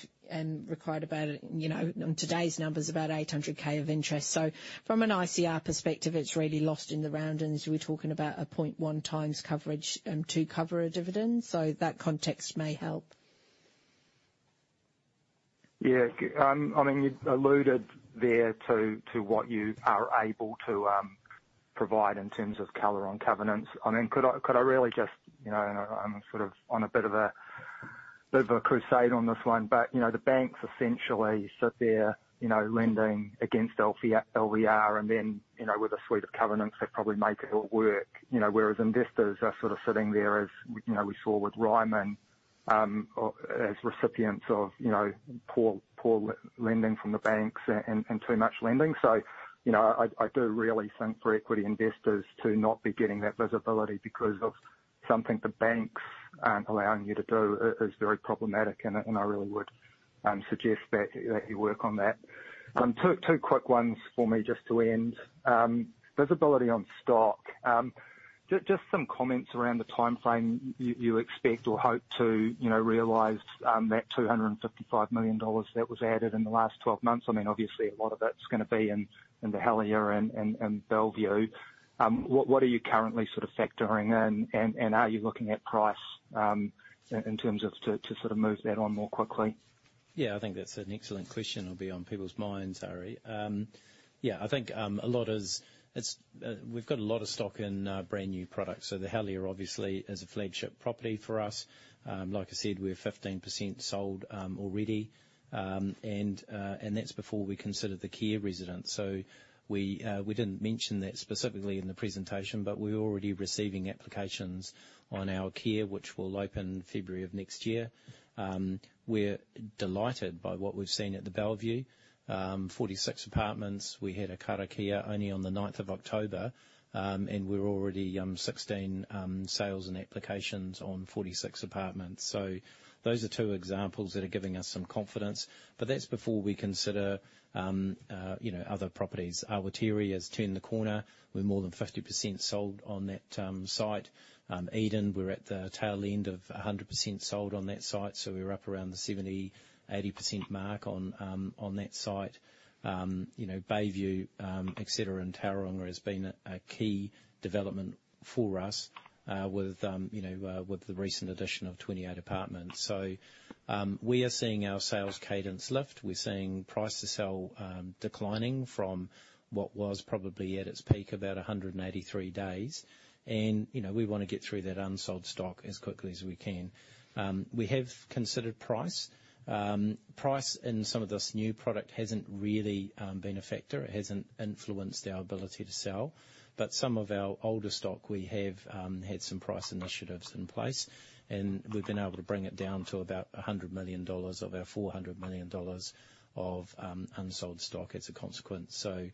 required about, you know, on today's numbers, about 800,000 of interest. So from an ICR perspective, it's really lost in the roundings. We're talking about a 0.1 times coverage to cover a dividend, so that context may help. Yeah. I mean, you alluded there to, to what you are able to provide in terms of color on covenants. I mean, could I, could I really just, you know, I'm sort of on a bit of a, bit of a crusade on this one, but, you know, the banks essentially sit there, you know, lending against LVR, LVR, and then, you know, with a suite of covenants that probably make it all work. You know, whereas investors are sort of sitting there, as, you know, we saw with Ryman, as recipients of, you know, poor, poor lending from the banks and, and too much lending. So, you know, I do really think for equity investors to not be getting that visibility because of something the banks aren't allowing you to do is very problematic, and I really would suggest that you work on that. 2 quick ones for me, just to end. Visibility on stock. Just some comments around the timeframe you expect or hope to, you know, realize that 255 million dollars that was added in the last 12 months. I mean, obviously, a lot of it's going to be in The Helier and Bellevue. What are you currently sort of factoring in, and are you looking at price in terms of to sort of move that on more quickly? Yeah, I think that's an excellent question. It'll be on people's minds, Arie. Yeah, I think we've got a lot of stock in brand-new products, so the Helier obviously is a flagship property for us. Like I said, we're 15% sold already. And that's before we consider the care residence. So we didn't mention that specifically in the presentation, but we're already receiving applications on our care, which will open February of next year. We're delighted by what we've seen at the Bellevue. 46 apartments. We had a karakia only on the eighth of October, and we're already 16 sales and applications on 46 apartments. So those are two examples that are giving us some confidence, but that's before we consider you know, other properties. Awatere has turned the corner. We're more than 50% sold on that site. Eden, we're at the tail end of 100% sold on that site, so we're up around the 70%-80% mark on that site. You know, Bayview, et cetera, and Tauranga has been a key development for us with you know with the recent addition of 28 apartments. So, we are seeing our sales cadence lift. We're seeing price to sell declining from what was probably at its peak, about 183 days, and, you know, we want to get through that unsold stock as quickly as we can. We have considered price. Price in some of this new product hasn't really been a factor. It hasn't influenced our ability to sell, but some of our older stock, we have, had some price initiatives in place, and we've been able to bring it down to about 100 million dollars of our 400 million dollars of, unsold stock as a consequence. So,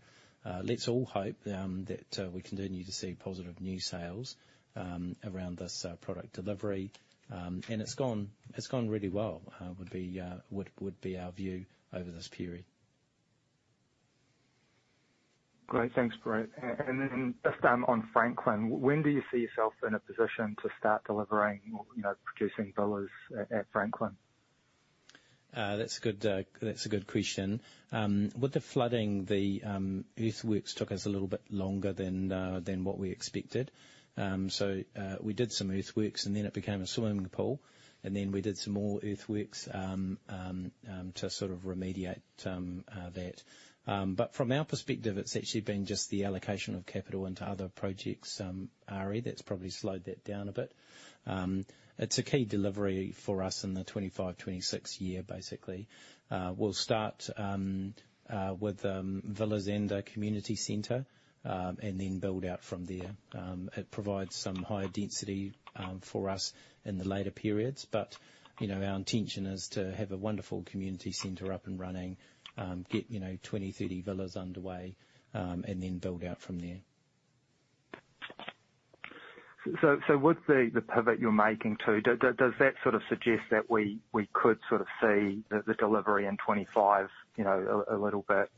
let's all hope, that, we continue to see positive new sales, around this, product delivery. And it's gone, it's gone really well, would be, would, would be our view over this period. Great. Thanks, Brent. And then just, on Franklin, when do you see yourself in a position to start delivering or, you know, producing villas at Franklin? That's a good question. With the flooding, the earthworks took us a little bit longer than what we expected. So, we did some earthworks, and then it became a swimming pool, and then we did some more earthworks to sort of remediate that. But from our perspective, it's actually been just the allocation of capital into other projects, Arie, that's probably slowed that down a bit. It's a key delivery for us in the 2025, 2026 year, basically. We'll start with villas and a community center, and then build out from there. It provides some higher density for us in the later periods, but, you know, our intention is to have a wonderful community center up and running, get, you know, 20, 30 villas underway, and then build out from there.... So with the pivot you're making to, does that sort of suggest that we could sort of see the delivery in 2025, you know, a little bit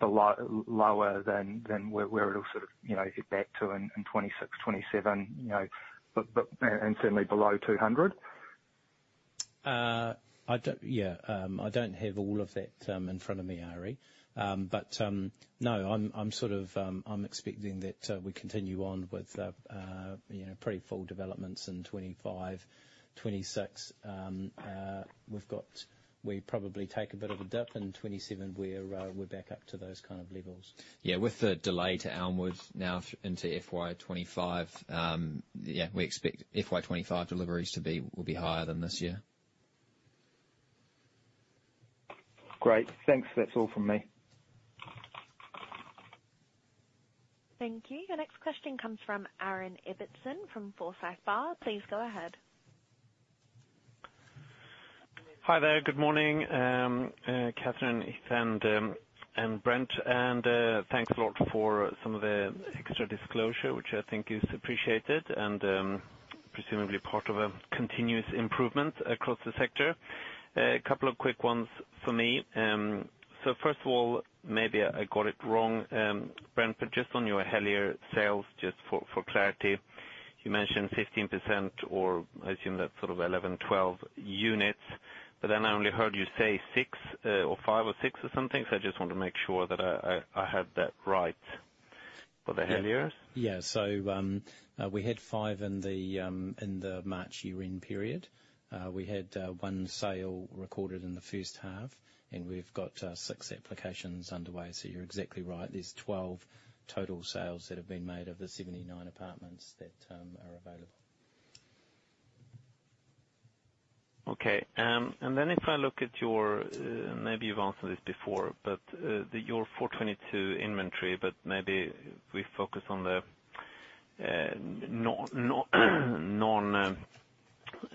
below, lower than where it'll sort of, you know, get back to in 2026, 2027, you know, but and certainly below 200? Yeah, I don't have all of that in front of me, Arie. But no, I'm sort of expecting that we continue on with you know pretty full developments in 2025, 2026. We probably take a bit of a dip in 2027. We're back up to those kind of levels. Yeah, with the delay to Elmwood now into FY 2025, yeah, we expect FY 2025 deliveries will be higher than this year. Great. Thanks. That's all from me. Thank you. Your next question comes from Aaron Ibbotson from Forsyth Barr. Please go ahead. Hi there. Good morning, Kathryn, Heath, and Brent, and thanks a lot for some of the extra disclosure, which I think is appreciated and, presumably part of a continuous improvement across the sector. A couple of quick ones from me. So first of all, maybe I got it wrong, Brent, but just on your Helier sales, just for clarity, you mentioned 15%, or I assume that's sort of 11, 12 units, but then I only heard you say six, or five or six or something. So I just want to make sure that I have that right for the Heliers. Yeah. So, we had five in the March year-end period. We had 1 sale recorded in the H1, and we've got six applications underway. So you're exactly right. There's 12 total sales that have been made of the 79 apartments that are available. Okay, and then if I look at your, maybe you've answered this before, but, the, your 422 inventory, but maybe we focus on the,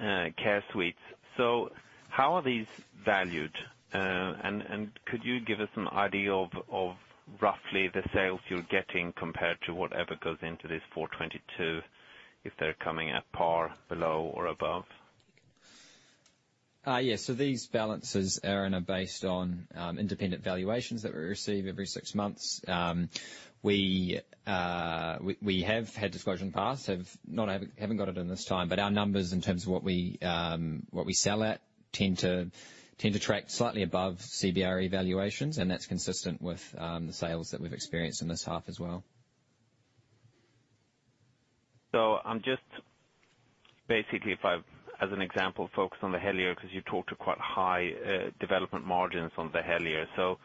non-care suites. So how are these valued? And could you give us an idea of, roughly the sales you're getting compared to whatever goes into this 422, if they're coming at par, below or above? Yes. So these balances, Aaron, are based on independent valuations that we receive every six months. We have had disclosure in the past, have not, haven't got it in this time, but our numbers, in terms of what we sell at, tend to track slightly above CBRE valuations, and that's consistent with the sales that we've experienced in this half as well. So, basically, if I, as an example, focus on The Helier, because you've talked to quite high development margins on The Helier. So,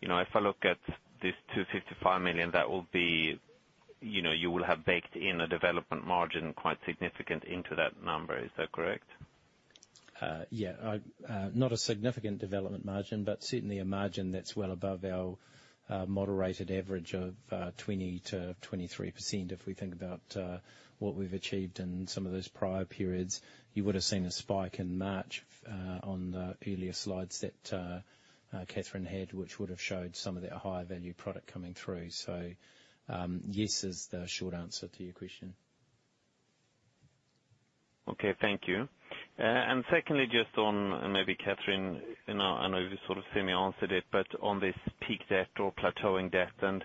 you know, if I look at this 255 million, that will be, you know, you will have baked in a development margin quite significant into that number. Is that correct? Yeah. Not a significant development margin, but certainly a margin that's well above our moderated average of 20%-23%. If we think about what we've achieved in some of those prior periods, you would have seen a spike in March on the earlier slides that Kathryn had, which would have showed some of the higher value product coming through. So, yes is the short answer to your question. Okay, thank you. And secondly, just on, maybe Kathryn, I know, I know you sort of semi-answered it, but on this peak debt or plateauing debt, and,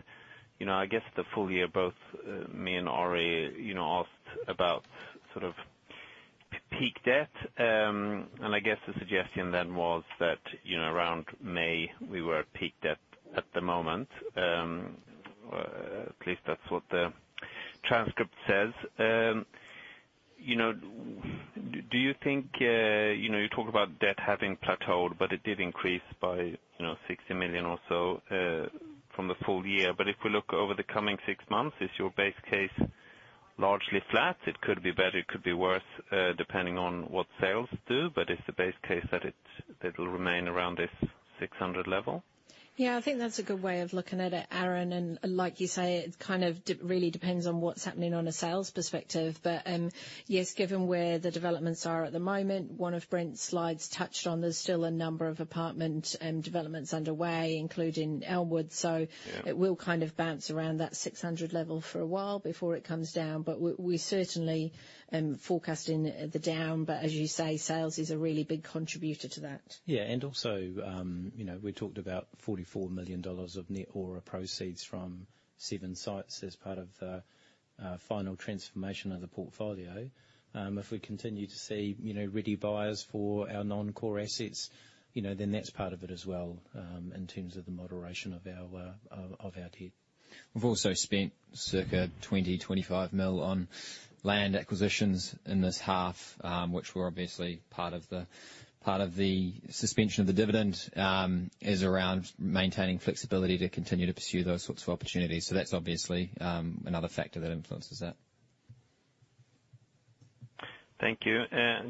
you know, I guess the full year, both, me and Arie, you know, asked about sort of peak debt. And I guess the suggestion then was that, you know, around May, we were at peak debt at the moment. At least that's what the transcript says. You know, do you think, you know, you talk about debt having plateaued, but it did increase by, you know, 60 million or so, from the full year. But if we look over the coming six months, is your base case largely flat? It could be better, it could be worse, depending on what sales do, but is the base case that it'll remain around this 600 level? Yeah, I think that's a good way of looking at it, Aaron, and like you say, it kind of really depends on what's happening on a sales perspective. But, yes, given where the developments are at the moment, one of Brent's slides touched on there's still a number of apartment developments underway, including Elmwood. Yeah. So it will kind of bounce around that 600 level for a while before it comes down, but we're certainly forecasting the down, but as you say, sales is a really big contributor to that. Yeah, and also, you know, we talked about 44 million dollars of net ORA proceeds from 7 sites as part of the final transformation of the portfolio. If we continue to see, you know, ready buyers for our non-core assets, you know, then that's part of it as well, in terms of the moderation of our debt. We've also spent circa 20 million-25 million on land acquisitions in this half, which were obviously part of the suspension of the dividend, is around maintaining flexibility to continue to pursue those sorts of opportunities. So that's obviously another factor that influences that. Thank you.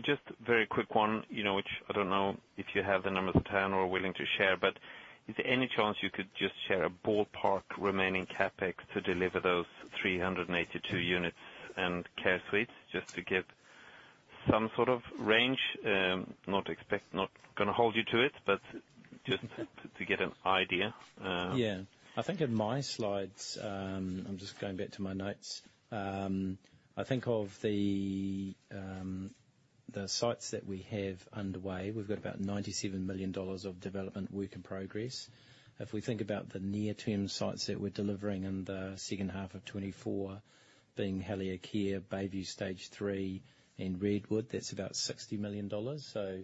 Just a very quick one, you know, which I don't know if you have the numbers on hand or are willing to share, but is there any chance you could just share a ballpark remaining CapEx to deliver those 382 units and care suites, just to get some sort of range? Not gonna hold you to it, but just to get an idea. Yeah. I think in my slides, I'm just going back to my notes. I think of the, the sites that we have underway, we've got about NZD 97 million of development work in progress. If we think about the near term sites that we're delivering in the H2 of 2024, being Helier Care, Bayview Stage 3, and Redwood, that's about 60 million dollars. So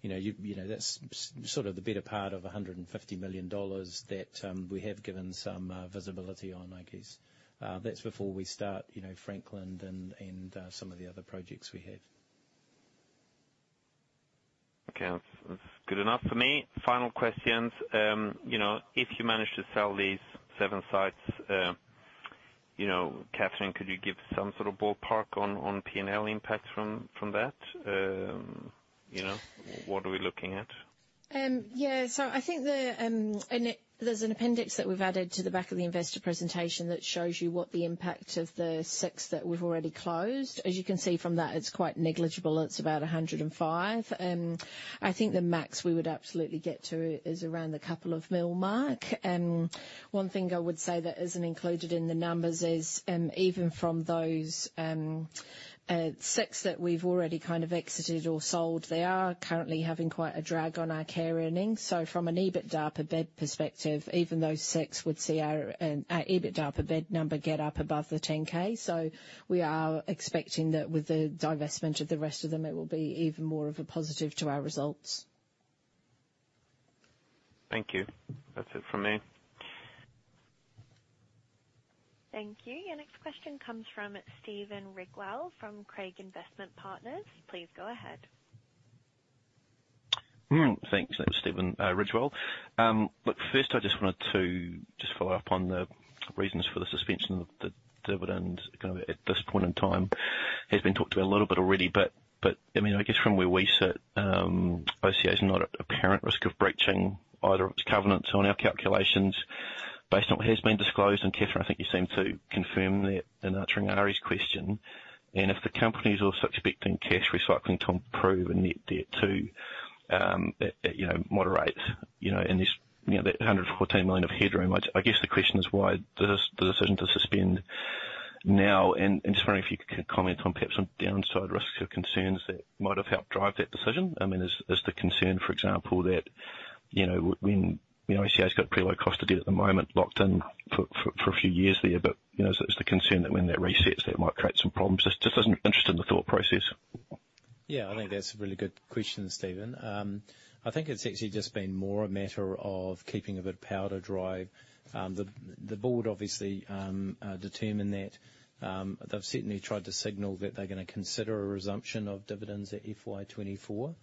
you know, you know, that's sort of the better part of 150 million dollars that, we have given some, visibility on, I guess. That's before we start, you know, Franklin and, and, some of the other projects we have. Okay, that's, that's good enough for me. Final questions. You know, if you manage to sell these seven sites, you know, Kathryn, could you give some sort of ballpark on, on P&L impact from, from that? You know, what are we looking at? Yeah. So I think there's an appendix that we've added to the back of the investor presentation that shows you what the impact of the six that we've already closed. As you can see from that, it's quite negligible, and it's about 105. I think the max we would absolutely get to is around the couple of million mark. One thing I would say that isn't included in the numbers is even from those six that we've already kind of exited or sold, they are currently having quite a drag on our care earnings. So from an EBITDA per bed perspective, even those six would see our EBITDA per bed number get up above the 10K. We are expecting that with the divestment of the rest of them, it will be even more of a positive to our results. Thank you. That's it for me. Thank you. Your next question comes from Stephen Ridgewell, from Craigs Investment Partners. Please go ahead. Thanks. That was Stephen Ridgewell. Look, first, I just wanted to just follow up on the reasons for the suspension of the dividend, kind of, at this point in time. Has been talked about a little bit already, but, I mean, I guess from where we sit, OCA is not at apparent risk of breaching either of its covenants on our calculations, based on what has been disclosed, and Kathryn, I think you seem to confirm that in answering Arie's question. And if the company is also expecting cash recycling to improve and net debt to, at, you know, moderate, you know, and this, you know, that 114 million of headroom. I guess the question is why the decision to suspend now? Just wondering if you could comment on perhaps on downside risks or concerns that might have helped drive that decision. I mean, is the concern, for example, that, you know, when, you know, OCA's got pretty low cost of debt at the moment, locked in for a few years there, but, you know, so is the concern that when that resets, that might create some problems? Just interested in the thought process. Yeah, I think that's a really good question, Stephen. I think it's actually just been more a matter of keeping a bit of powder dry. The board obviously determined that they've certainly tried to signal that they're gonna consider a resumption of dividends at FY 2024.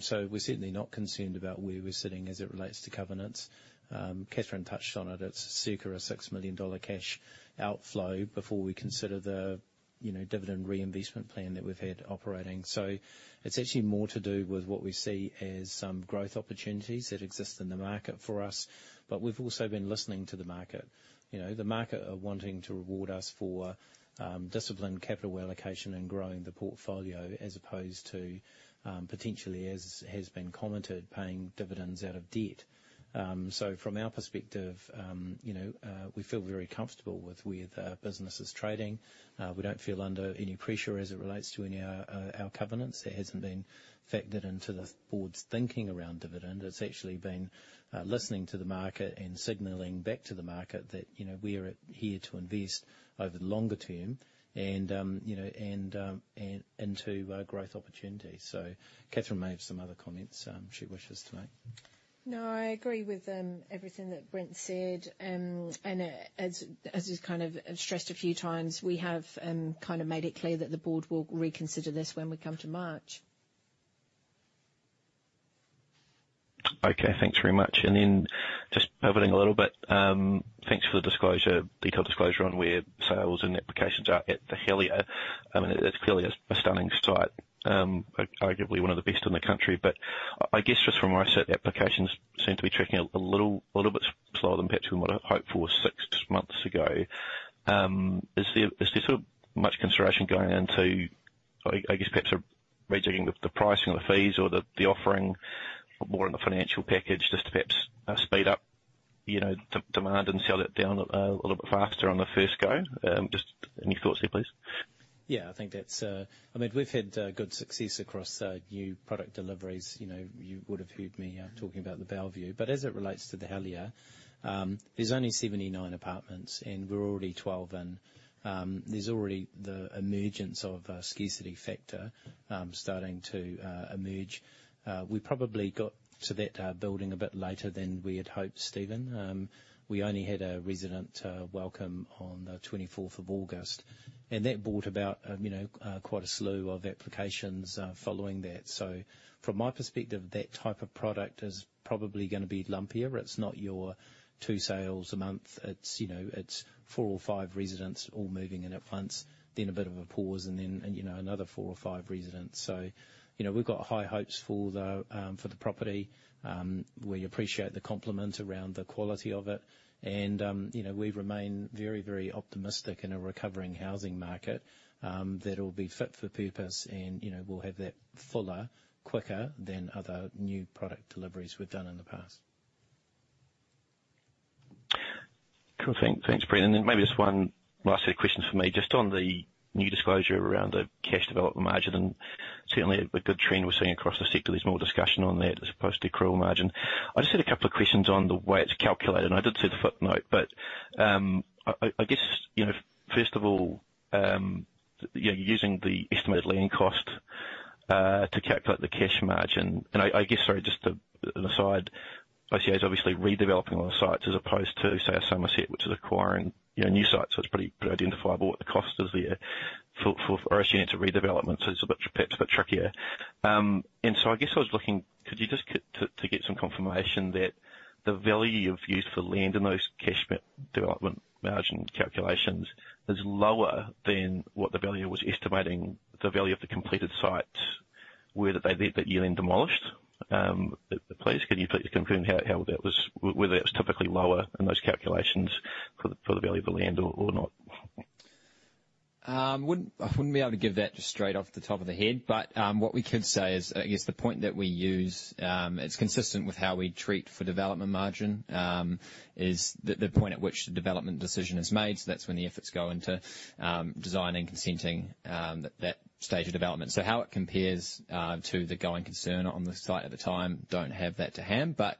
So we're certainly not concerned about where we're sitting as it relates to covenants. Kathryn touched on it. It's circa 6 million dollar cash outflow before we consider the, you know, dividend reinvestment plan that we've had operating. So it's actually more to do with what we see as some growth opportunities that exist in the market for us. But we've also been listening to the market. You know, the market are wanting to reward us for disciplined capital allocation and growing the portfolio, as opposed to potentially, as has been commented, paying dividends out of debt. So from our perspective, you know, we feel very comfortable with where the business is trading. We don't feel under any pressure as it relates to any of our covenants. That hasn't been factored into the board's thinking around dividend. It's actually been listening to the market and signaling back to the market that, you know, we are here to invest over the longer term and, you know, and into growth opportunities. So Kathryn may have some other comments she wishes to make. No, I agree with everything that Brent said. As is kind of stressed a few times, we have kind of made it clear that the board will reconsider this when we come to March. Okay, thanks very much. And then just pivoting a little bit, thanks for the detailed disclosure on where sales and applications are at The Helier. I mean, that's clearly a stunning site, arguably one of the best in the country. But I guess just from where I sit, the applications seem to be tracking a little bit slower than perhaps from what I hoped for six months ago. Is there so much consideration going into, I guess perhaps rejigging the pricing or the fees or the offering more in the financial package, just to perhaps speed up, you know, demand and sell it down a little bit faster on the first go? Just any thoughts there, please? Yeah, I think that's... I mean, we've had good success across new product deliveries. You know, you would have heard me talking about the Bellevue, but as it relates to the Helier, there's only 79 apartments, and we're already 12 in. There's already the emergence of a scarcity factor starting to emerge. We probably got to that building a bit later than we had hoped, Stephen. We only had a resident welcome on the 24th of August, and that brought about, you know, quite a slew of applications following that. So from my perspective, that type of product is probably gonna be lumpier. It's not your two sales a month. It's, you know, it's four or five residents all moving in at once, then a bit of a pause and then, you know, another four or five residents. So, you know, we've got high hopes for the property. We appreciate the compliment around the quality of it, and, you know, we remain very, very optimistic in a recovering housing market that will be fit for purpose, and, you know, we'll have that fuller quicker than other new product deliveries we've done in the past.... Cool, thanks, Brent. And then maybe just one last set of questions for me. Just on the new disclosure around the cash development margin, and certainly a good trend we're seeing across the sector. There's more discussion on that as opposed to accrual margin. I just had a couple of questions on the way it's calculated, and I did see the footnote, but, I guess, you know, first of all, you're using the estimated landing cost to calculate the cash margin. And I guess, sorry, just an aside, Oceania is obviously redeveloping on the sites as opposed to, say, a Summerset, which is acquiring, you know, new sites. So it's pretty identifiable what the cost is there for Oceania's redevelopments is a bit, perhaps, a bit trickier. And so I guess I was looking, could you just to get some confirmation that the value you've used for land in those cash development margin calculations is lower than what the valuer was estimating the value of the completed sites, were that they then that year then demolished? Please, could you please confirm how that was, whether that's typically lower in those calculations for the value of the land or not? I wouldn't be able to give that just straight off the top of the head. But, what we could say is, I guess, the point that we use, it's consistent with how we treat for development margin, is the point at which the development decision is made. So that's when the efforts go into, designing, consenting, that stage of development. So how it compares to the going concern on the site at the time, don't have that to hand, but,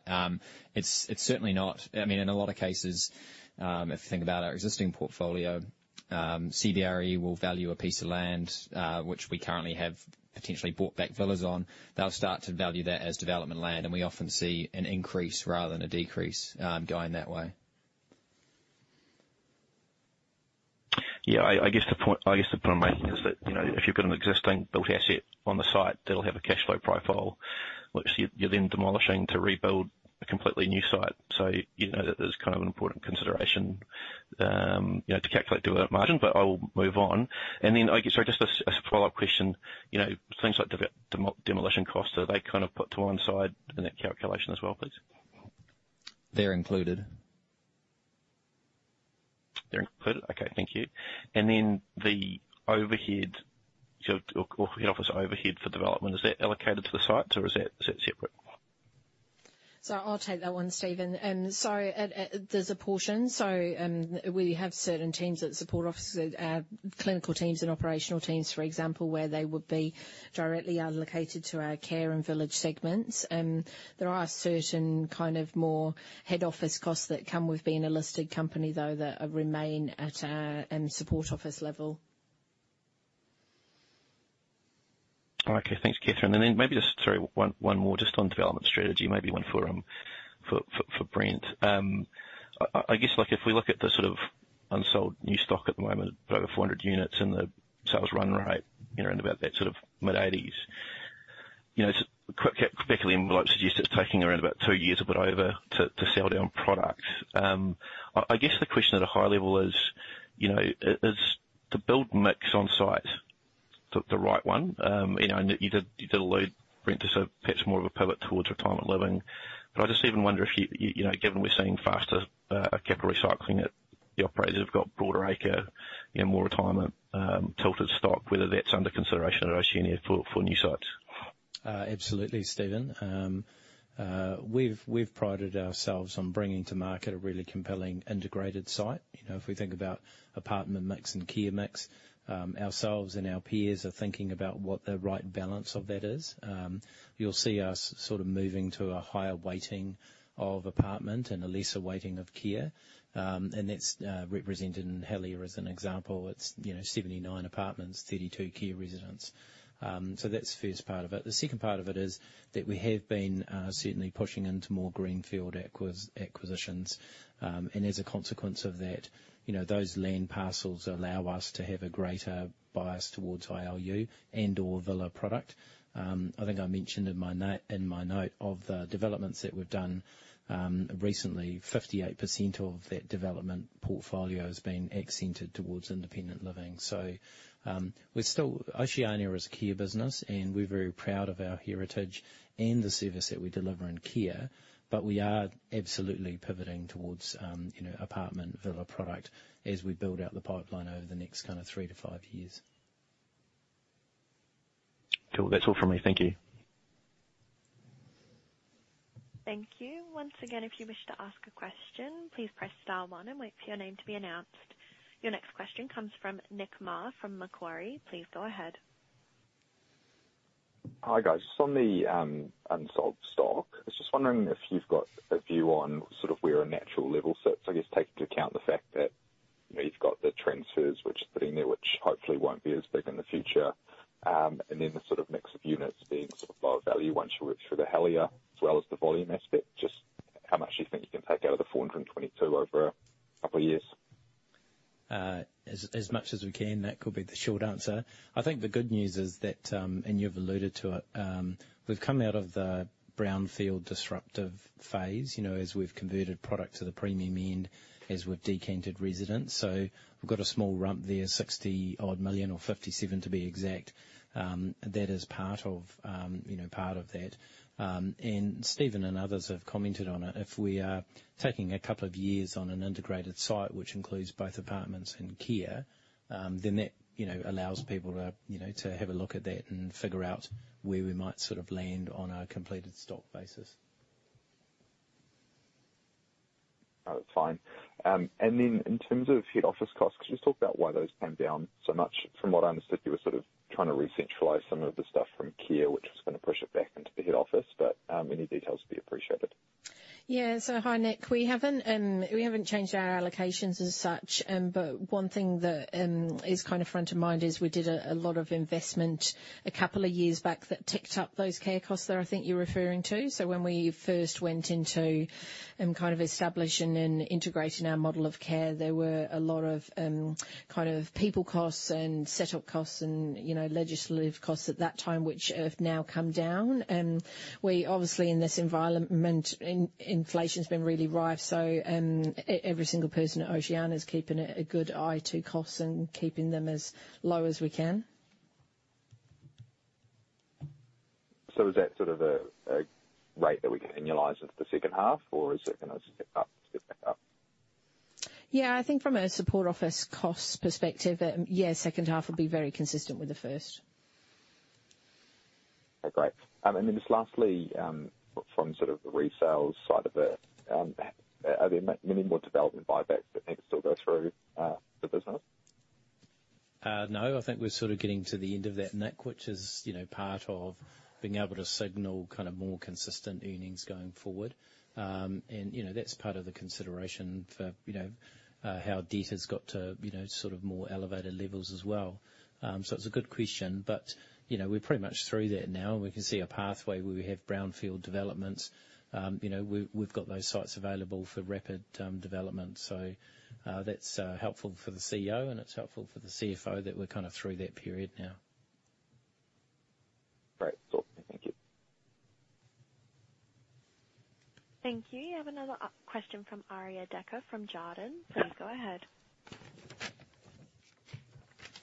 it's certainly not... I mean, in a lot of cases, if you think about our existing portfolio, CBRE will value a piece of land, which we currently have potentially bought back villas on. They'll start to value that as development land, and we often see an increase rather than a decrease, going that way. Yeah, I guess the point I'm making is that, you know, if you've got an existing built asset on the site, they'll have a cash flow profile, which you're then demolishing to rebuild a completely new site. So you know that there's kind of an important consideration, you know, to calculate development margin, but I will move on. And then, I guess, sorry, just a follow-up question. You know, things like demolition costs, are they kind of put to one side in that calculation as well, please? They're included. They're included? Okay, thank you. And then the overhead, so head office overhead for development, is that allocated to the sites or is that, is that separate? So I'll take that one, Stephen. So, there's a portion. So, we have certain teams that support our clinical teams and operational teams, for example, where they would be directly allocated to our care and village segments. There are certain kind of more head office costs that come with being a listed company, though, that remain at a support office level. Okay. Thanks, Kathryn. Then maybe just, sorry, one more just on development strategy, maybe one for Brent. I guess, like, if we look at the sort of unsold new stock at the moment, over 400 units, and the sales run rate, you know, around about that sort of mid-80s, you know, it's quickly suggests it's taking around about two years or a bit over to sell down products. I guess the question at a high level is, you know, is the build mix on site the right one? You know, and you did allude, Brent, to so perhaps more of a pivot towards retirement living. But I just even wonder if you know, given we're seeing faster capital recycling at the operators, have got broader acre, you know, more retirement tilted stock, whether that's under consideration at Oceania for new sites. Absolutely, Stephen. We've prided ourselves on bringing to market a really compelling integrated site. You know, if we think about apartment mix and care mix, ourselves and our peers are thinking about what the right balance of that is. You'll see us sort of moving to a higher weighting of apartment and a lesser weighting of care. And that's represented in Helier as an example. It's, you know, 79 apartments, 32 care residents. So that's the first part of it. The second part of it is that we have been certainly pushing into more greenfield acquisitions. And as a consequence of that, you know, those land parcels allow us to have a greater bias towards ILU and/or villa product. I think I mentioned in my note of the developments that we've done recently, 58% of that development portfolio has been allocated towards independent living. So, we're still. Oceania is a care business, and we're very proud of our heritage and the service that we deliver in care. But we are absolutely pivoting towards, you know, apartment villa product as we build out the pipeline over the next kind of 3-5 years. Cool. That's all from me. Thank you. Thank you. Once again, if you wish to ask a question, please press star one and wait for your name to be announced. Your next question comes from Nick Maher, from Macquarie. Please go ahead. Hi, guys. Just on the unsold stock, I was just wondering if you've got a view on sort of where a natural level sits. I guess, taking into account the fact that, you know, you've got the transfers which are sitting there, which hopefully won't be as big in the future, and then the sort of mix of units being sort of lower value once you work through The Helier, as well as the volume aspect, just how much do you think you can take out of the 422 over a couple of years? As much as we can. That could be the short answer. I think the good news is that, and you've alluded to it, we've come out of the brownfield disruptive phase, you know, as we've converted product to the premium end, as we've decanted residents. So we've got a small rump there, 60-odd million, or 57 million to be exact. That is part of, you know, part of that. And Stephen and others have commented on it. If we are taking a couple of years on an integrated site, which includes both apartments and care, then that, you know, allows people to, you know, to have a look at that and figure out where we might sort of land on a completed stock basis.... Oh, fine. And then in terms of head office costs, could you just talk about why those came down so much? From what I understood, you were sort of trying to recentralize some of the stuff from care, which was going to push it back into the head office, but, any details would be appreciated. Yeah. So hi, Nick. We haven't, we haven't changed our allocations as such, but one thing that is kind of front of mind is we did a lot of investment a couple of years back that ticked up those care costs there, I think you're referring to. So when we first went into kind of establishing and integrating our model of care, there were a lot of kind of people costs and setup costs and, you know, legislative costs at that time, which have now come down. We obviously, in this environment, inflation has been really rife, so every single person at Oceania is keeping a good eye to costs and keeping them as low as we can. So is that sort of a rate that we can annualize into the H2, or is it gonna step up, step back up? Yeah, I think from a support office cost perspective, yeah, H2 will be very consistent with the first. Okay, great. And then just lastly, from sort of the resale side of it, are there many more development buybacks that need to still go through the business? No, I think we're sort of getting to the end of that, Nick, which is, you know, part of being able to signal kind of more consistent earnings going forward. And, you know, that's part of the consideration for, you know, how debt has got to, you know, sort of more elevated levels as well. So it's a good question, but, you know, we're pretty much through that now, and we can see a pathway where we have brownfield developments. You know, we've got those sites available for rapid development, so that's helpful for the CEO, and it's helpful for the CFO that we're kind of through that period now. Great. Cool. Thank you. Thank you. I have another question from Arie Dekker from Jarden. Please go ahead.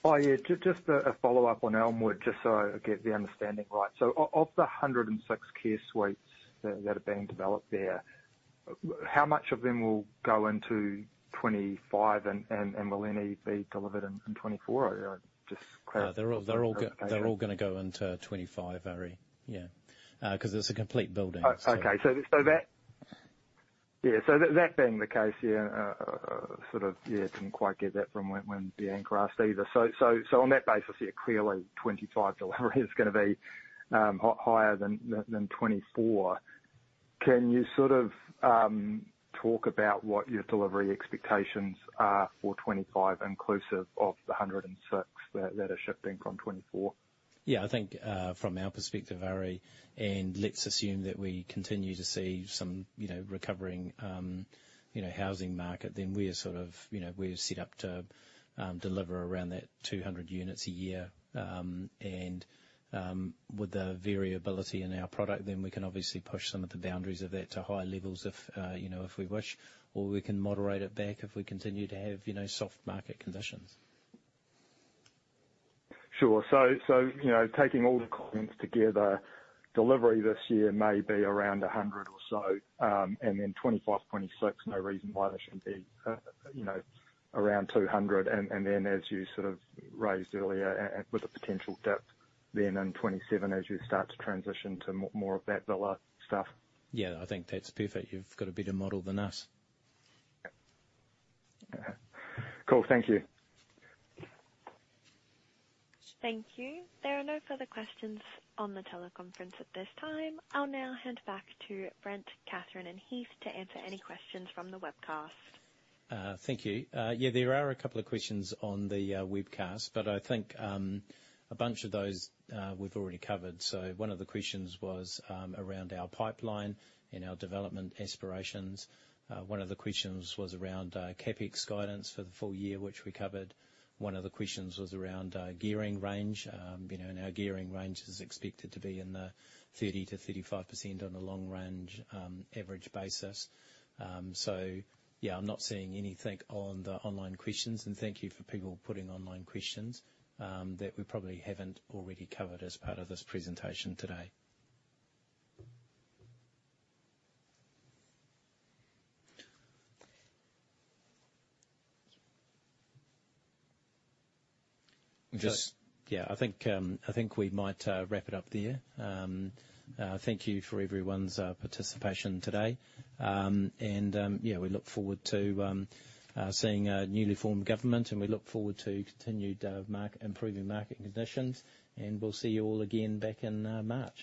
Oh, yeah, just a follow-up on Elmwood, just so I get the understanding right. So of the 106 Care Suites that are being developed there, how many of them will go into 2025, and will any be delivered in 2024? I just cl- They're all, they're all gonna go into 25, Arie. Yeah, 'cause it's a complete building. Okay, so that... Yeah, so that, that being the case, yeah, sort of, yeah, didn't quite get that from when Deanne asked either. So on that basis, yeah, clearly, 2025 delivery is gonna be higher than 2024. Can you sort of talk about what your delivery expectations are for 2025, inclusive of the 106 that are shifting from 2024? Yeah, I think, from our perspective, Arie, and let's assume that we continue to see some, you know, recovering, you know, housing market, then we are sort of, you know, we're set up to deliver around that 200 units a year. And, with the variability in our product, then we can obviously push some of the boundaries of that to higher levels if, you know, if we wish, or we can moderate it back if we continue to have, you know, soft market conditions. Sure. So, you know, taking all the comments together, delivery this year may be around 100 or so, and then 2025, 2026, no reason why there shouldn't be, you know, around 200, and then, as you sort of raised earlier, and with the potential dip then in 2027, as you start to transition to more of that villa stuff. Yeah, I think that's perfect. You've got a better model than us. Cool. Thank you. Thank you. There are no further questions on the teleconference at this time. I'll now hand back to Brent, Kathryn, and Heath to answer any questions from the webcast. Thank you. Yeah, there are a couple of questions on the webcast, but I think a bunch of those we've already covered. So one of the questions was around our pipeline and our development aspirations. One of the questions was around CapEx guidance for the full year, which we covered. One of the questions was around gearing range. You know, and our gearing range is expected to be in the 30%-35% on a long range average basis. So yeah, I'm not seeing anything on the online questions, and thank you for people putting online questions that we probably haven't already covered as part of this presentation today. Yeah, I think I think we might wrap it up there. Thank you for everyone's participation today. Yeah, we look forward to seeing a newly formed government, and we look forward to continued market-improving market conditions, and we'll see you all again back in March.